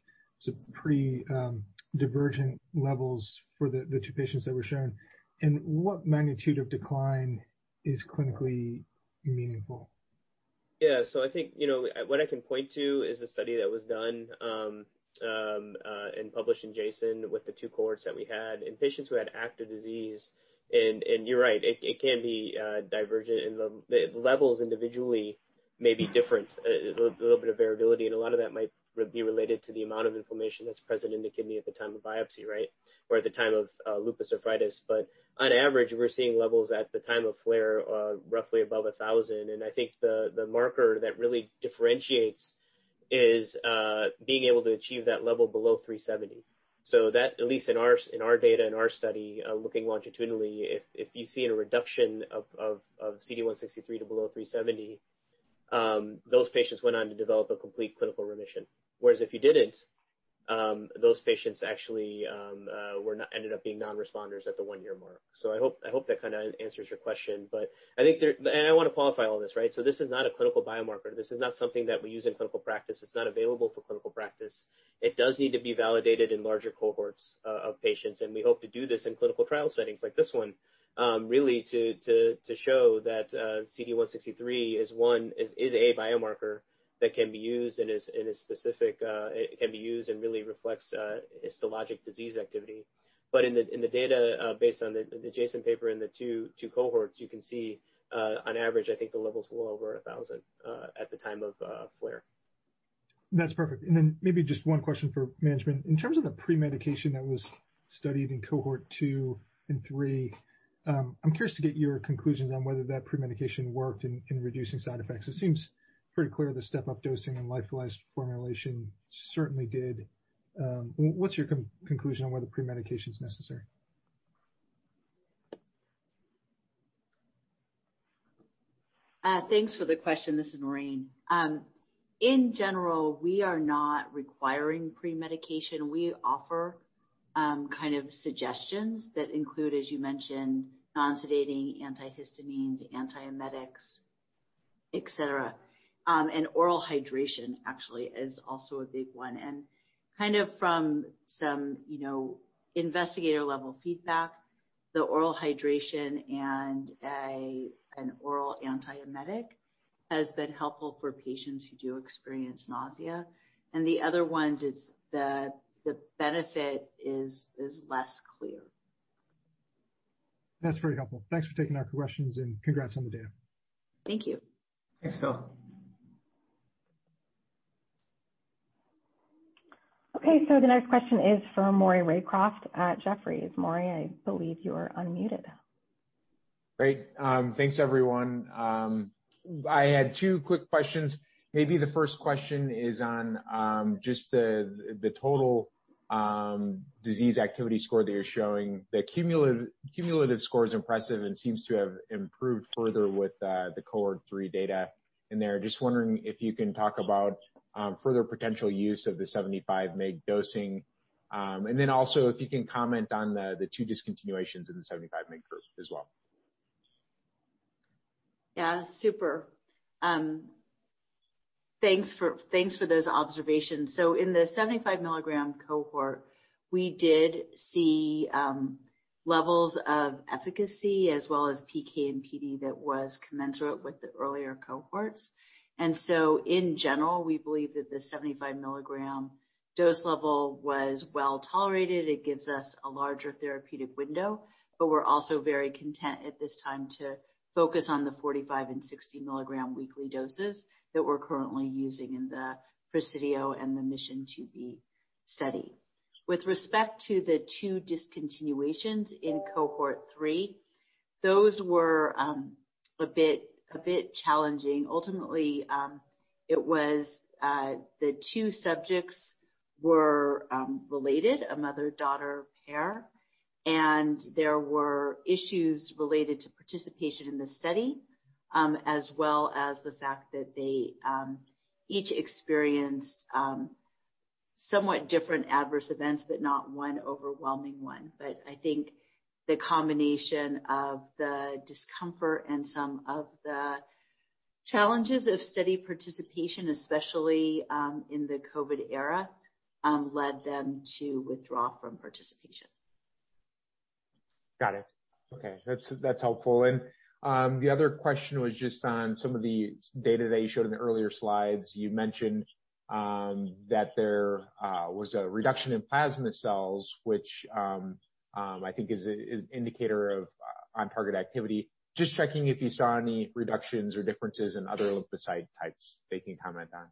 pretty divergent levels for the two patients that were shown. What magnitude of decline is clinically meaningful? Yeah. I think what I can point to is a study that was done and published in JASN with the two cohorts that we had in patients who had active disease. You're right, it can be divergent, and the levels individually may be different, a little bit of variability, and a lot of that might be related to the amount of inflammation that's present in the kidney at the time of biopsy or at the time of lupus nephritis. On average, we're seeing levels at the time of flare roughly above 1,000. I think the marker that really differentiates is being able to achieve that level below 370. That, at least in our data, in our study, looking longitudinally, if you see a reduction of CD163 to below 370, those patients went on to develop a complete clinical remission. Whereas if you didn't, those patients actually ended up being non-responders at the one-year mark. I hope that answers your question, but I want to qualify all this. This is not a clinical biomarker. This is not something that we use in clinical practice. It's not available for clinical practice. It does need to be validated in larger cohorts of patients, and we hope to do this in clinical trial settings like this one really to show that CD163 is a biomarker that can be used and really reflects histologic disease activity. In the data based on the JASN paper and the two cohorts, you can see on average, I think the levels were over 1,000 at the time of flare. That's perfect. Maybe just one question for management. In terms of the pre-medication that was studied in cohort two and three, I'm curious to get your conclusions on whether that pre-medication worked in reducing side effects. It seems pretty clear the step-up dosing and lyophilized formulation certainly did. What's your conclusion on whether pre-medication is necessary? Thanks for the question. This is Noreen. In general, we are not requiring pre-medication. We offer kind of suggestions that include, as you mentioned, non-sedating antihistamines, antiemetics, et cetera. Oral hydration actually is also a big one. From some investigator-level feedback, the oral hydration and an oral antiemetic has been helpful for patients who do experience nausea. The other ones is the benefit is less clear. That's very helpful. Thanks for taking our questions and congrats on the data. Thank you. Thanks, Phil. Okay, the next question is from Maury Raycroft at Jefferies. Maury, I believe you are unmuted. Great. Thanks, everyone. I had two quick questions. Maybe the first question is on just the total disease activity score that you are showing. The cumulative score is impressive and seems to have improved further with the cohort three data in there. Just wondering if you can talk about further potential use of the 75 mg dosing. Then also if you can comment on the two discontinuations in the 75 mg group as well. Yeah, super. Thanks for those observations. In the 75-milligram cohort, we did see levels of efficacy as well as PK and PD that was commensurate with the earlier cohorts. In general, we believe that the 75-milligram dose level was well-tolerated. It gives us a larger therapeutic window, we're also very content at this time to focus on the 45 and 60-milligram weekly doses that we're currently using in the PRESIDIO and the MISSION 2B study. With respect to the two discontinuations in cohort three. Those were a bit challenging. Ultimately, the two subjects were related, a mother-daughter pair, and there were issues related to participation in the study, as well as the fact that they each experienced somewhat different adverse events, but not one overwhelming one. I think the combination of the discomfort and some of the challenges of study participation, especially in the COVID era, led them to withdraw from participation. Got it. Okay. That's helpful. The other question was just on some of the data that you showed in the earlier slides. You mentioned that there was a reduction in plasma cells, which I think is an indicator of on-target activity. Just checking if you saw any reductions or differences in other lymphocyte types that you can comment on?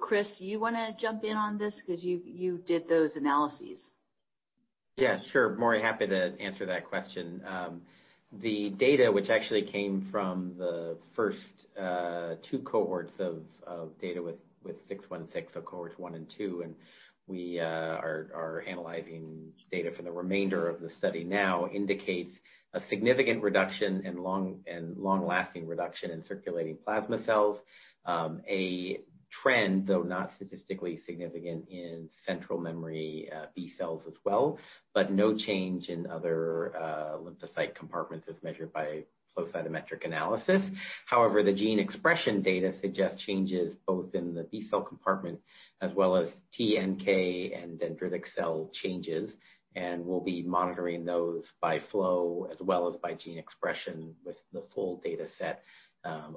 Chris, do you want to jump in on this because you did those analyses? Yeah, sure. More happy to answer that question. The data, which actually came from the first two cohorts of data with 616, so cohorts one and two, and we are analyzing data for the remainder of the study now, indicates a significant reduction and long-lasting reduction in circulating plasma cells. A trend, though not statistically significant in central memory B cells as well, but no change in other lymphocyte compartments as measured by flow cytometric analysis. However, the gene expression data suggests changes both in the B cell compartment as well as T/NK and dendritic cell changes, and we'll be monitoring those by flow as well as by gene expression with the full data set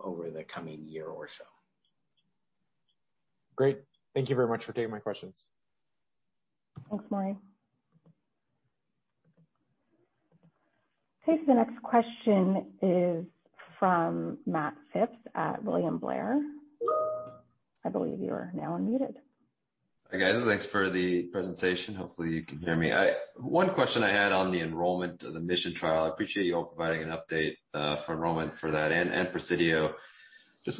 over the coming year or so. Great. Thank you very much for taking my questions. Thanks, Maury. The next question is from Matt Phipps at William Blair. I believe you are now unmuted. Thanks for the presentation. Hopefully, you can hear me. One question I had on the enrollment of the MISSION trial. I appreciate you all providing an update for enrollment for that and PRESIDIO. Do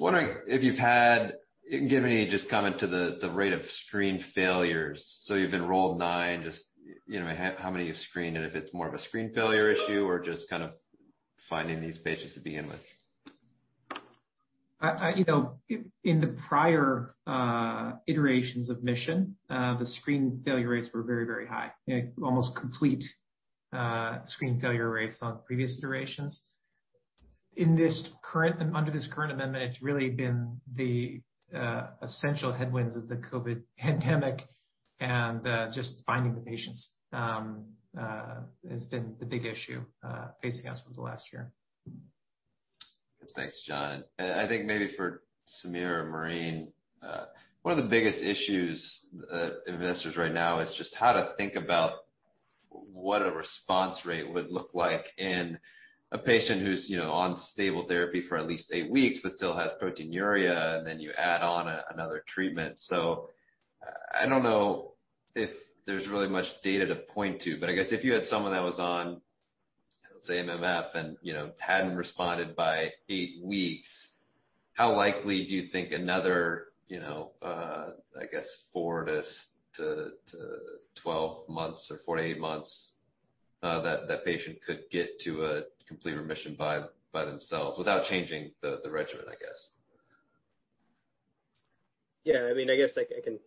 you have any just comment to the rate of screen failures? You've enrolled nine, just how many you've screened, and if it's more of a screen failure issue or just kind of finding these patients to begin with? In the prior iterations of MISSION, the screen failure rates were very high, almost complete screen failure rates on previous iterations. Under this current amendment, it's really been the essential headwinds of the COVID pandemic, just finding the patients has been the big issue facing us over the last year. Thanks, John. I think maybe for Samir or Noreen, one of the biggest issues investors right now is just how to think about what a response rate would look like in a patient who's on stable therapy for at least eight weeks but still has proteinuria, and then you add on another treatment. I don't know if there's really much data to point to, but I guess if you had someone that was on, let's say, MMF, and hadn't responded by eight weeks, how likely do you think another 4-12 months or 48 months that that patient could get to a complete remission by themselves without changing the regimen, I guess? Yeah, I guess I can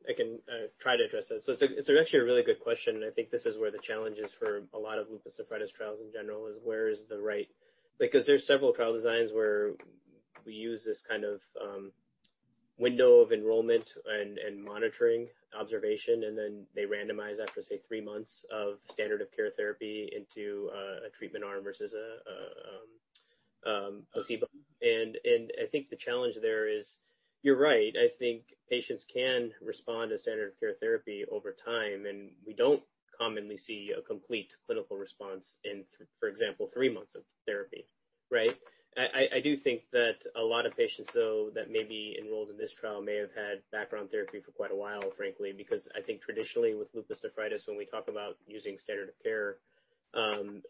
try to address this. It's actually a really good question, and I think this is where the challenge is for a lot of lupus nephritis trials in general. Because there's several trial designs where we use this kind of window of enrollment and monitoring observation, and then they randomize after, say, three months of standard of care therapy into a treatment arm versus a placebo. I think the challenge there is, you're right. I think patients can respond to standard of care therapy over time, and we don't commonly see a complete clinical response in, for example, three months of therapy, right? I do think that a lot of patients, though, that maybe enrolled in this trial may have had background therapy for quite a while, frankly, because I think traditionally with lupus nephritis, when we talk about using standard of care,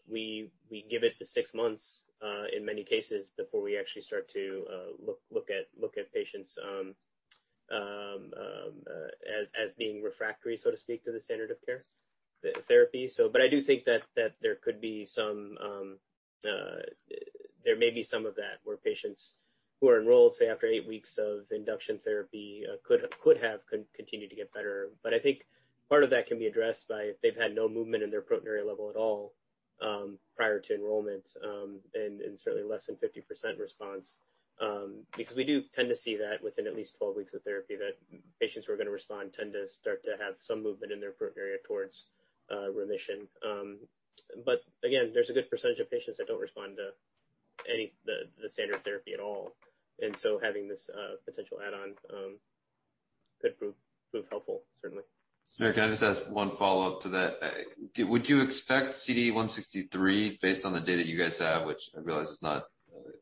we give it to six months in many cases before we actually start to look at patients as being refractory, so to speak, to the standard of care therapy. I do think that there may be some of that where patients who are enrolled, say, after eight weeks of induction therapy could have continued to get better. I think part of that can be addressed by if they've had no movement in their proteinuria level at all prior to enrollment, and certainly less than 50% response. We do tend to see that within at least 12 weeks of therapy, that patients who are going to respond tend to start to have some movement in their proteinuria towards remission. Again, there's a good percentage of patients that don't respond to the standard therapy at all, and so having this potential add-on could prove helpful, certainly. Samir, can I just ask one follow-up to that? Would you expect CD163 based on the data you guys have, which I realize is not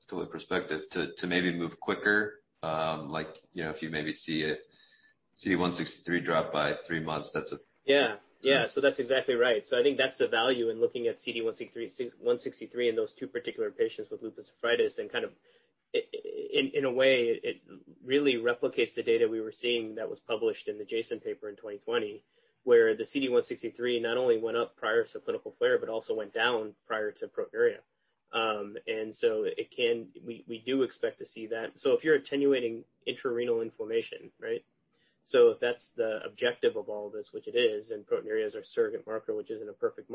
from a perspective to maybe move quicker, like if you maybe see CD163 drop by three months? Yeah. That's exactly right. I think that's the value in looking at CD163 in those two particular patients with lupus nephritis and, in a way, it really replicates the data we were seeing that was published in the JASN paper in 2020, where the CD163 not only went up prior to clinical flare, but also went down prior to proteinuria. We do expect to see that. If you're attenuating intrarenal inflammation, right? If that's the objective of all this, which it is, and proteinuria is our surrogate marker, which isn't a perfect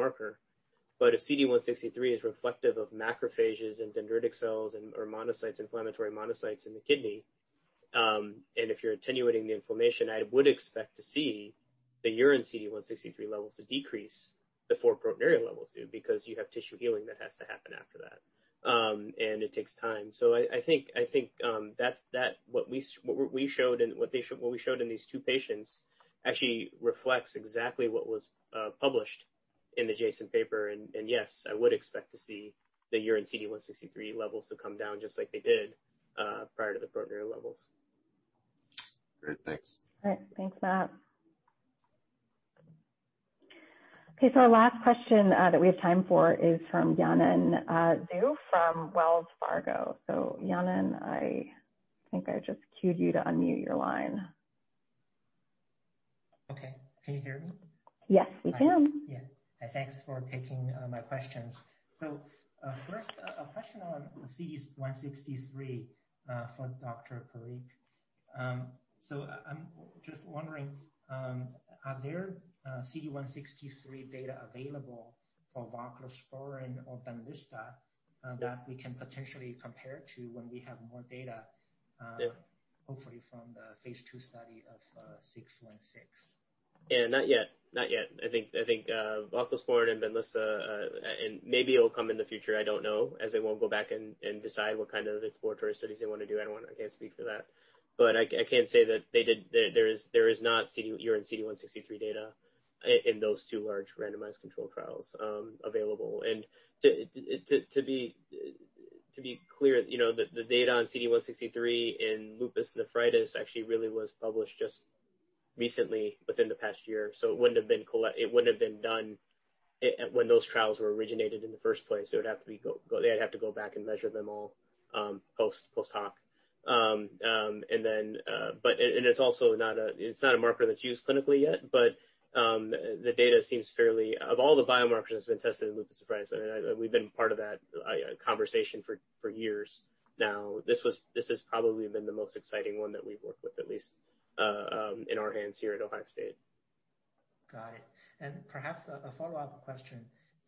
marker, but if CD163 is reflective of macrophages and dendritic cells or monocytes, inflammatory monocytes in the kidney, and if you're attenuating the inflammation, I would expect to see the urine CD163 levels decrease before proteinuria levels do, because you have tissue healing that has to happen after that. It takes time. I think what we showed in these two patients actually reflects exactly what was published in the JASN paper, and yes, I would expect to see the urine CD163 levels to come down just like they did, prior to the proteinuria levels. Great. Thanks. All right. Thanks, Matt. Okay. Our last question that we have time for is from Yanan Zhu from Wells Fargo. Yanan, I think I just queued you to unmute your line. Okay. Can you hear me? Yes, we can. Yeah. Thanks for taking my questions. First, a question on CD163, for Dr. Parikh. I'm just wondering, are there CD163 data available for Voclosporin or Benlysta that we can potentially compare to when we have more? Yeah Hopefully from the phase II study of 616? Yeah, not yet. I think Voclosporin and Benlysta, and maybe it'll come in the future, I don't know, as they won't go back and decide what kind of exploratory studies they want to do. I can't speak to that. I can say that there is not urine CD163 data in those two large randomized control trials available. To be clear, the data on CD163 in lupus nephritis actually really was published just recently, within the past year. It wouldn't have been done when those trials were originated in the first place. They'd have to go back and measure them all post hoc. It's also not a marker that's used clinically yet, the data seems fairly, of all the biomarkers that have been tested in lupus nephritis, and we've been part of that conversation for years now. This has probably been the most exciting one that we've worked with, at least, in our ends here at Ohio State. Got it. Perhaps a follow-up question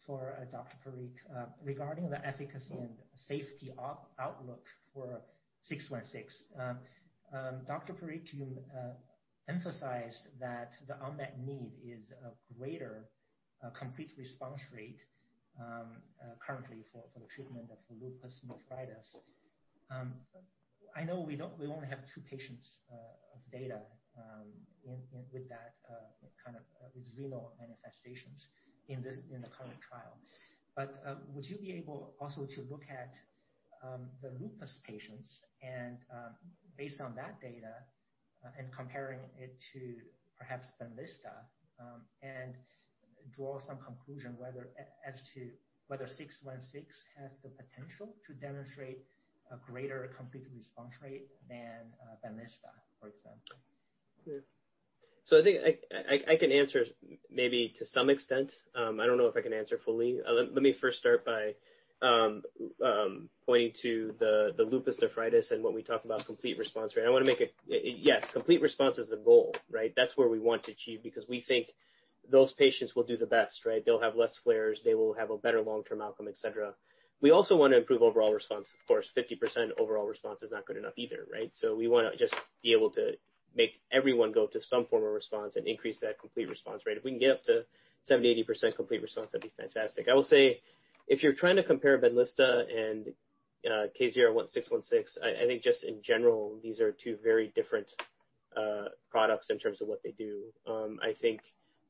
for Dr. Parikh. Regarding the efficacy and safety outlook for 616, Dr. Parikh, you emphasized that the unmet need is a greater complete response rate, currently for the treatment of lupus nephritis. I know we only have two patients of data, with that kind of renal manifestations in the current trial. Would you be able also to look at the lupus patients and, based on that data, and comparing it to perhaps Benlysta, and draw some conclusion as to whether 616 has the potential to demonstrate a greater complete response rate than Benlysta, for example? I think I can answer maybe to some extent. I don't know if I can answer fully. Let me first start by pointing to the lupus nephritis and what we talked about complete response rate. Yes, complete response is a goal, right? That's where we want to achieve, because we think those patients will do the best, right? They'll have less flares, they will have a better long-term outcome, et cetera. We also want to improve overall response. Of course, 50% overall response is not good enough either, right? We want to just be able to make everyone go through some form of response and increase that complete response rate. If we can get up to 70%, 80% complete response, that'd be fantastic. I will say, if you're trying to compare Benlysta and KZR-616, I think just in general, these are two very different products in terms of what they do. I think,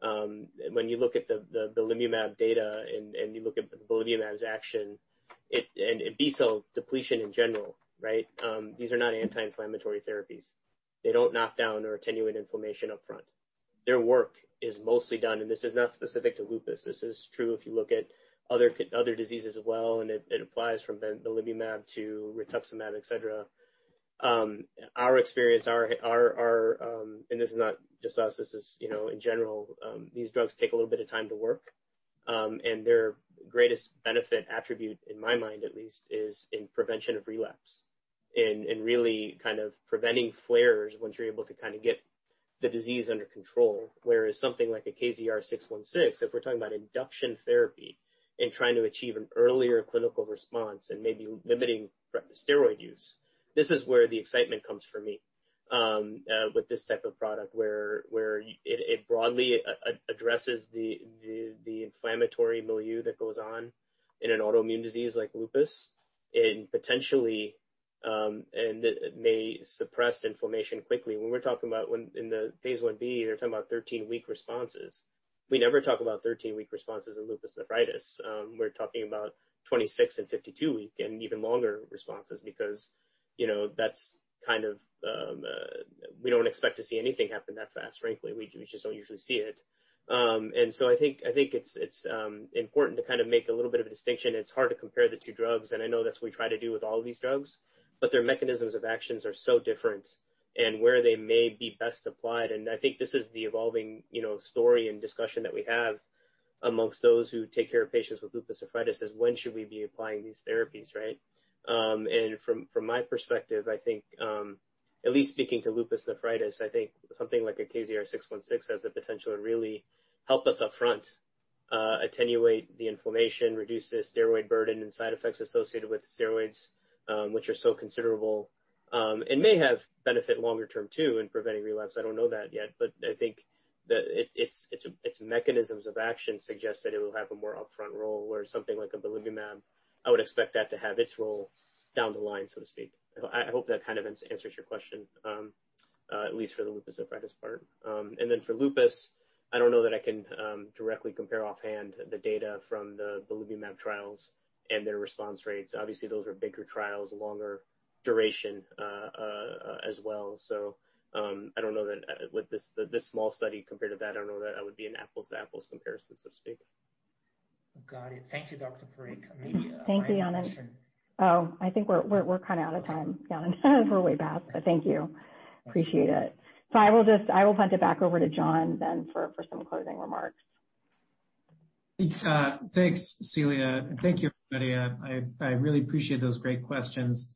when you look at the belimumab data and you look at belimumab's action, and B cell depletion in general, right? These are not anti-inflammatory therapies. They don't knock down or attenuate inflammation upfront. Their work is mostly done, this is not specific to lupus, this is true if you look at other diseases as well, and it applies from belimumab to rituximab, et cetera. Our experience, and this is not just us, this is in general, these drugs take a little bit of time to work. Their greatest benefit attribute, in my mind at least, is in prevention of relapse, and really kind of preventing flares once you're able to get the disease under control. Something like a KZR-616, if we're talking about induction therapy and trying to achieve an earlier clinical response and maybe limiting steroid use, this is where the excitement comes for me, with this type of product where it broadly addresses the inflammatory milieu that goes on in an autoimmune disease like lupus. It may suppress inflammation quickly. When we're talking about in the phase I-B, you're talking about 13-week responses. We never talk about 13-week responses in lupus nephritis. We're talking about 26 and 52 week, and even longer responses because we don't expect to see anything happen that fast, frankly. We just don't usually see it. I think it's important to make a little bit of distinction. It's hard to compare the two drugs, and I know that's what we try to do with all these drugs, but their mechanisms of actions are so different and where they may be best applied. I think this is the evolving story and discussion that we have amongst those who take care of patients with lupus nephritis is when should we be applying these therapies, right? From my perspective, I think, at least speaking to lupus nephritis, I think something like a KZR-616 has the potential to really help us upfront, attenuate the inflammation, reduce the steroid burden and side effects associated with steroids which are so considerable and may have benefit longer term too in preventing relapse. I don't know that yet, but I think that its mechanisms of action suggest that it'll have a more upfront role where something like a belimumab, I would expect that to have its role down the line, so to speak. I hope that answers your question at least for the lupus nephritis part. Then for lupus, I don't know that I can directly compare offhand the data from the belimumab trials and their response rates. Obviously, those are bigger trials, longer duration as well. I don't know that with this small study compared to that, I don't know that that would be an apples-to-apples comparison, so to speak. Got it. Thank you, Dr. Parikh. Thanks, Yanan. I think we're kind of out of time. Yeah, we're way past, but thank you. Appreciate it. I will hand it back over to John then for some closing remarks. Thanks, Celia. Thank you, everybody. I really appreciate those great questions.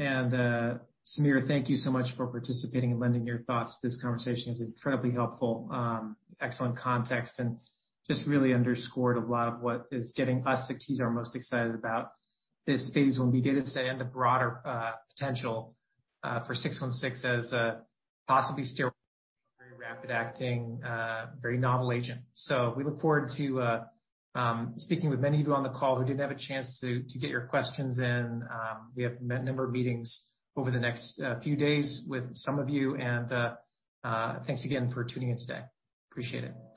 Samir, thank you so much for participating and lending your thoughts to this conversation. It's incredibly helpful, excellent context, and just really underscored a lot of what is getting us at Kezar most excited about this phase when we get it today and the broader potential for 616 as a possibly steroid, very rapid-acting very novel agent. We look forward to speaking with many of you on the call who didn't have a chance to get your questions in. We have a number of meetings over the next few days with some of you, and thanks again for tuning in today. Appreciate it.